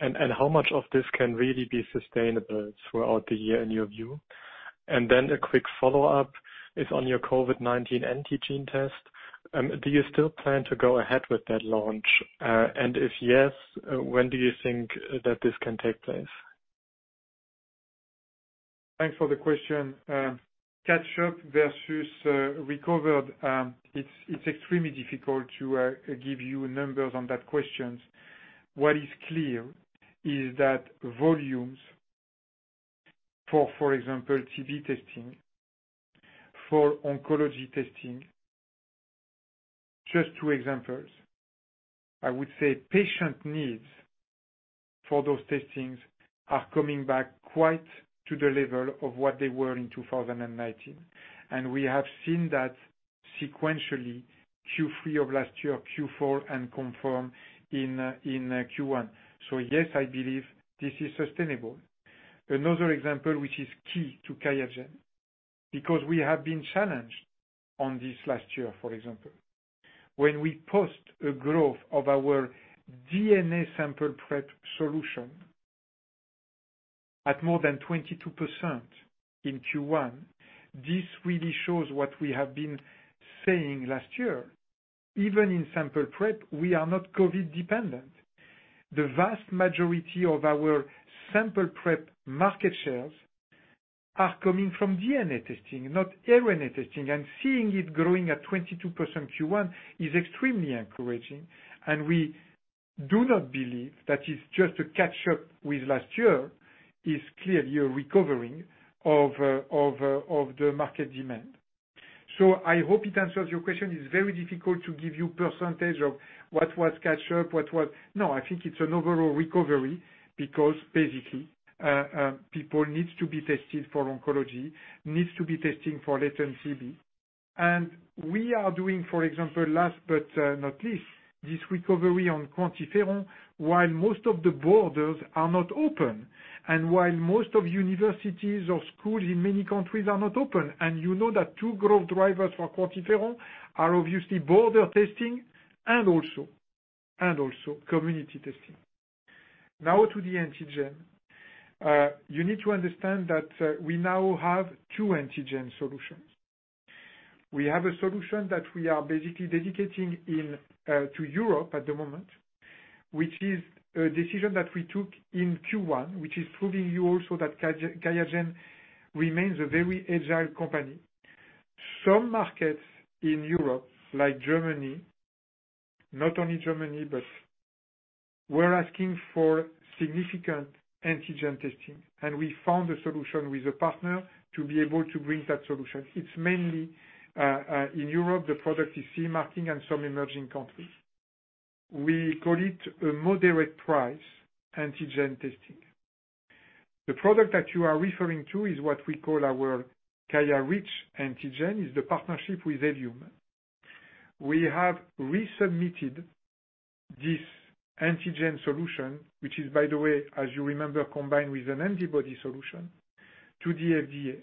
And how much of this can really be sustainable throughout the year in your view? And then a quick follow-up is on your COVID-19 antigen test. Do you still plan to go ahead with that launch? And if yes, when do you think that this can take place? Thanks for the question. Catch-up versus recovered, it's extremely difficult to give you numbers on that question. What is clear is that volumes for, for example, TB testing, for oncology testing, just two examples, I would say patient needs for those testings are coming back quite to the level of what they were in 2019. And we have seen that sequentially Q3 of last year, Q4, and confirmed in Q1. So yes, I believe this is sustainable. Another example, which is key to QIAGEN, because we have been challenged on this last year, for example, when we post a growth of our DNA sample prep solution at more than 22% in Q1, this really shows what we have been saying last year. Even in sample prep, we are not COVID-dependent. The vast majority of our sample prep market shares are coming from DNA testing, not RNA testing. And seeing it growing at 22% Q1 is extremely encouraging. And we do not believe that it's just a catch-up with last year. It's clearly a recovering of the market demand. So I hope it answers your question. It's very difficult to give you a percentage of what was catch-up, what was. No, I think it's an overall recovery because basically people need to be tested for oncology, need to be testing for latent TB. And we are doing, for example, last but not least, this recovery on QuantiFERON while most of the borders are not open and while most of universities or schools in many countries are not open. And you know that two growth drivers for QuantiFERON are obviously border testing and also community testing. Now to the antigen. You need to understand that we now have two antigen solutions. We have a solution that we are basically dedicating to Europe at the moment, which is a decision that we took in Q1, which is proving to you also that QIAGEN remains a very agile company. Some markets in Europe, like Germany, not only Germany, but we're asking for significant antigen testing. And we found a solution with a partner to be able to bring that solution. It's mainly in Europe, the product is CE marking and some emerging countries. We call it a moderate-price antigen testing. The product that you are referring to is what we call our QIAreach Antigen, the partnership with Ellume. We have resubmitted this antigen solution, which is, by the way, as you remember, combined with an antibody solution, to the FDA,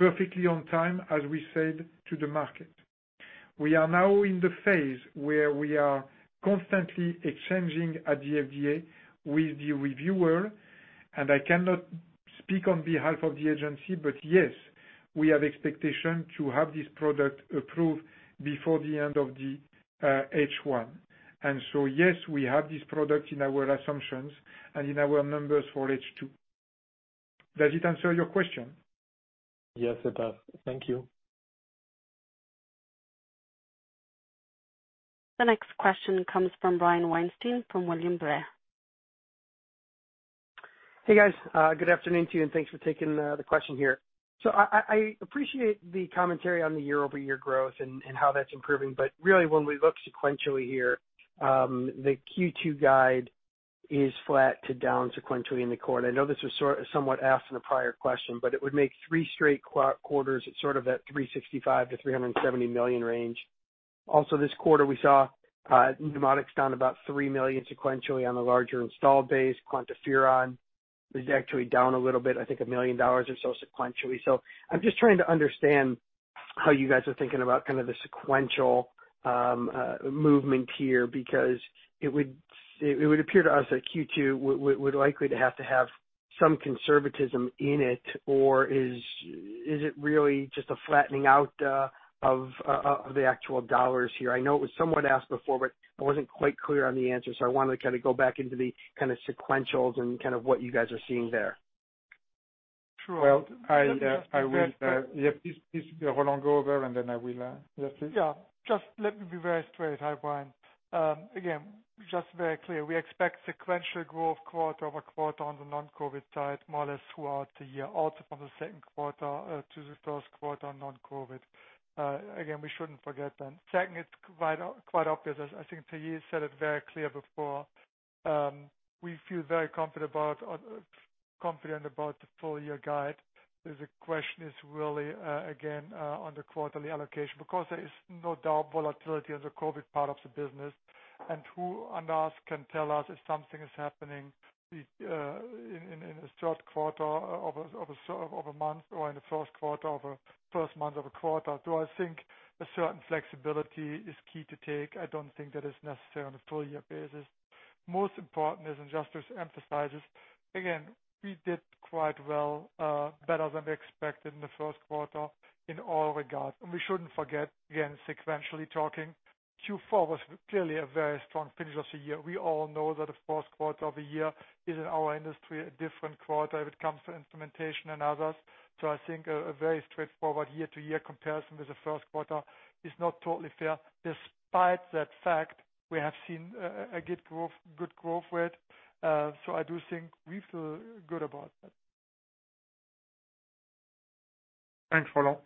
perfectly on time, as we said, to the market. We are now in the phase where we are constantly exchanging at the FDA with the reviewer. I cannot speak on behalf of the agency, but yes, we have expectations to have this product approved before the end of H1. So yes, we have this product in our assumptions and in our numbers for H2. Does it answer your question? Yes, it does. Thank you. The next question comes from Brian Weinstein from William Blair. Hey, guys. Good afternoon to you, and thanks for taking the question here. So I appreciate the commentary on the year-over-year growth and how that's improving. But really, when we look sequentially here, the Q2 guide is flat to down sequentially in the quarter. I know this was somewhat asked in a prior question, but it would make three straight quarters at sort of that $365 million-$370 million range. Also, this quarter, we saw NeuMoDx down about $3 million sequentially on the larger installed base. QuantiFERON is actually down a little bit, I think $1 million or so sequentially. So I'm just trying to understand how you guys are thinking about kind of the sequential movement here because it would appear to us that Q2 would likely have to have some conservatism in it, or is it really just a flattening out of the actual dollars here? I know it was somewhat asked before, but I wasn't quite clear on the answer. So I wanted to kind of go back into the kind of sequentials and kind of what you guys are seeing there. Sure. Well, I will. Yep. Please, let Roland go over, and then I will. Yes, please. Yeah. Just let me be very straight, I want. Again, just very clear. We expect sequential growth quarter-over-quarter on the non-COVID side, more or less throughout the year, also from the first quarter to the second quarter on non-COVID. Again, we shouldn't forget that. Second, it's quite obvious. I think Thierry said it very clear before. We feel very confident about the full-year guide. The question is really, again, on the quarterly allocation because there is no doubt volatility on the COVID part of the business. And who among us can tell us if something is happening in the third quarter of a month or in the first quarter of a first month of a quarter? Do I think a certain flexibility is key to take? I don't think that is necessary on a full-year basis. Most importantly, as just emphasized, again, we did quite well, better than expected in the first quarter in all regards. And we shouldn't forget, again, sequentially talking, Q4 was clearly a very strong finish of the year. We all know that the first quarter of the year is, in our industry, a different quarter when it comes to implementation and others. So I think a very straightforward year-to-year comparison with the first quarter is not totally fair. Despite that fact, we have seen a good growth rate. So I do think we feel good about that. Thanks, Roland.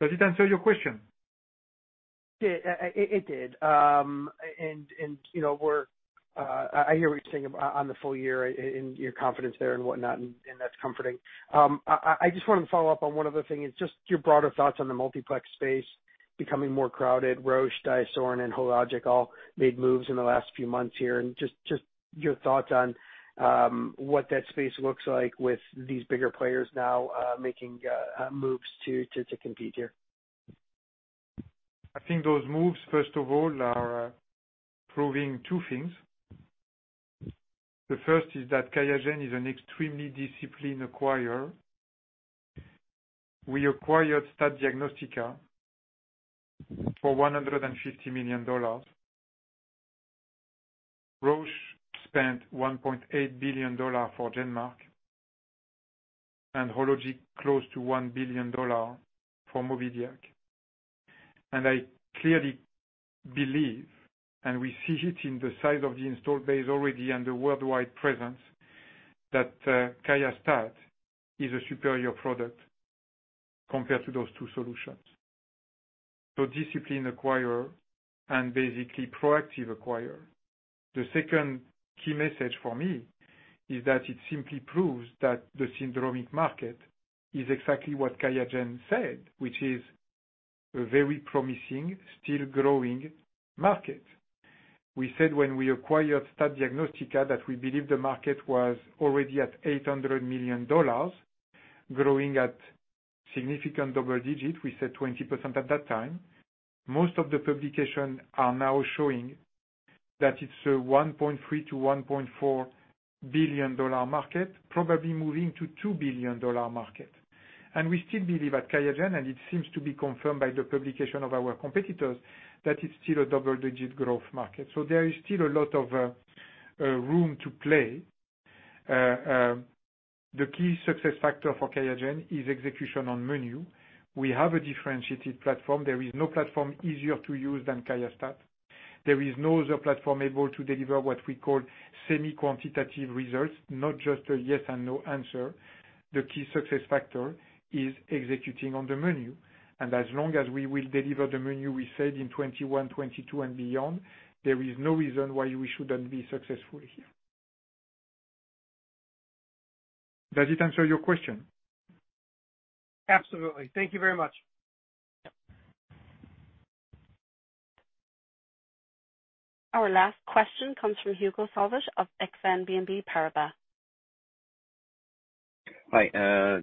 Does it answer your question? It did. And I hear what you're saying on the full year and your confidence there and whatnot, and that's comforting. I just wanted to follow up on one other thing. It's just your broader thoughts on the multiplex space becoming more crowded. Roche, DiaSorin, and Hologic all made moves in the last few months here. And just your thoughts on what that space looks like with these bigger players now making moves to compete here? I think those moves, first of all, are proving two things. The first is that QIAGEN is an extremely disciplined acquirer. We acquired STAT-Dx for $150 million. Roche spent $1.8 billion for GenMark and Hologic close to $1 billion for Mobidiag. I clearly believe, and we see it in the size of the installed base already and the worldwide presence, that QIAstat-Dx is a superior product compared to those two solutions. So disciplined acquirer and basically proactive acquirer. The second key message for me is that it simply proves that the syndromic market is exactly what QIAGEN said, which is a very promising, still growing market. We said when we acquired STAT-Dx that we believe the market was already at $800 million, growing at significant double digits. We said 20% at that time. Most of the publications are now showing that it's a $1.3 billion-$1.4 billion market, probably moving to $2 billion market. We still believe at QIAGEN, and it seems to be confirmed by the publication of our competitors, that it's still a double-digit growth market. So there is still a lot of room to play. The key success factor for QIAGEN is execution on menu. We have a differentiated platform. There is no platform easier to use than QIAstat-Dx. There is no other platform able to deliver what we call semi-quantitative results, not just a yes and no answer. The key success factor is executing on the menu. And as long as we will deliver the menu we said in 2021, 2022, and beyond, there is no reason why we shouldn't be successful here. Does it answer your question? Absolutely. Thank you very much. Our last question comes from Hugo Solvet of Exane BNP Paribas. Hi,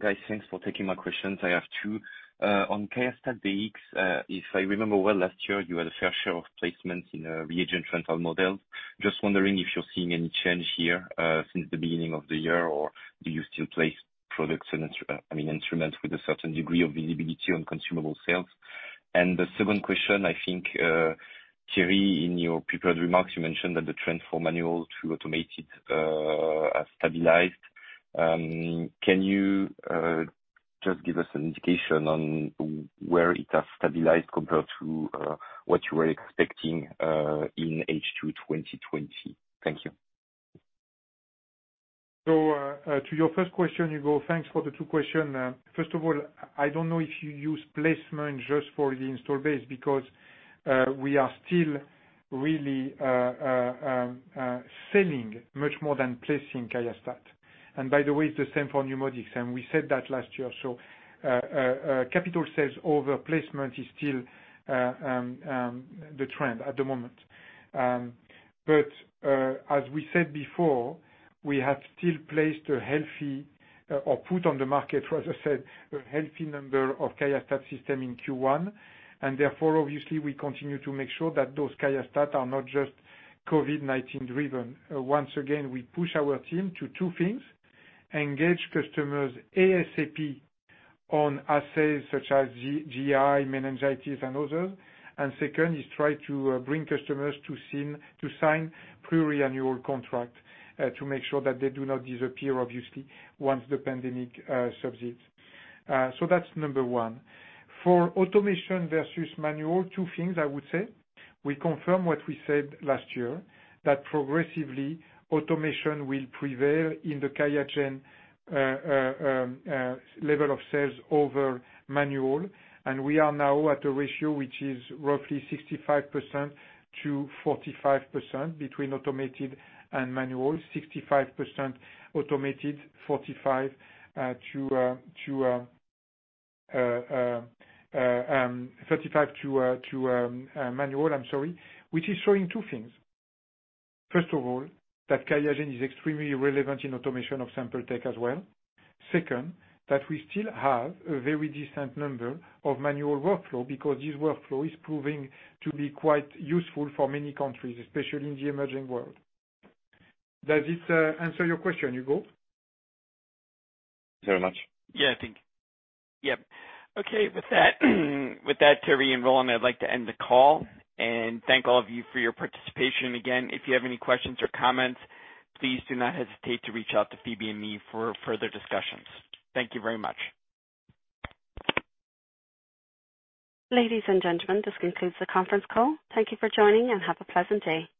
guys. Thanks for taking my questions. I have two. On QIAstat-Dx, if I remember well, last year, you had a fair share of placements in reagent rental models. Just wondering if you're seeing any change here since the beginning of the year, or do you still place products and, I mean, instruments with a certain degree of visibility on consumable sales? And the second question, I think, Thierry, in your prepared remarks, you mentioned that the trend for manual to automated has stabilized. Can you just give us an indication on where it has stabilized compared to what you were expecting in H2 2020? Thank you. So to your first question, Hugo, thanks for the two questions. First of all, I don't know if you use placement just for the installed base because we are still really selling much more than placing QIAstat. And by the way, it's the same for NeuMoDx. And we said that last year. So capital sales over placement is still the trend at the moment. But as we said before, we have still placed a healthy or put on the market, as I said, a healthy number of QIAstat systems in Q1. And therefore, obviously, we continue to make sure that those QIAstat are not just COVID-19-driven. Once again, we push our team to two things: engage customers ASAP on assets such as GI, meningitis, and others. And second is try to bring customers to sign pluriannual contract to make sure that they do not disappear, obviously, once the pandemic subsides. So that's number one. For automation versus manual, two things, I would say. We confirm what we said last year, that progressively automation will prevail in the QIAGEN level of sales over manual. And we are now at a ratio which is roughly 65% to 45% between automated and manual, 65% automated, 45 to manual. I'm sorry, which is showing two things. First of all, that QIAGEN is extremely relevant in automation of sample tech as well. Second, that we still have a very decent number of manual workflow because this workflow is proving to be quite useful for many countries, especially in the emerging world. Does it answer your question, Hugo? Thank you very much. Yeah, I think. Yep. Okay. With that, Thierry and Roland, I'd like to end the call and thank all of you for your participation. Again, if you have any questions or comments, please do not hesitate to reach out to Thierry and me for further discussions. Thank you very much. Ladies and gentlemen, this concludes the conference call. Thank you for joining and have a pleasant day. Goodbye.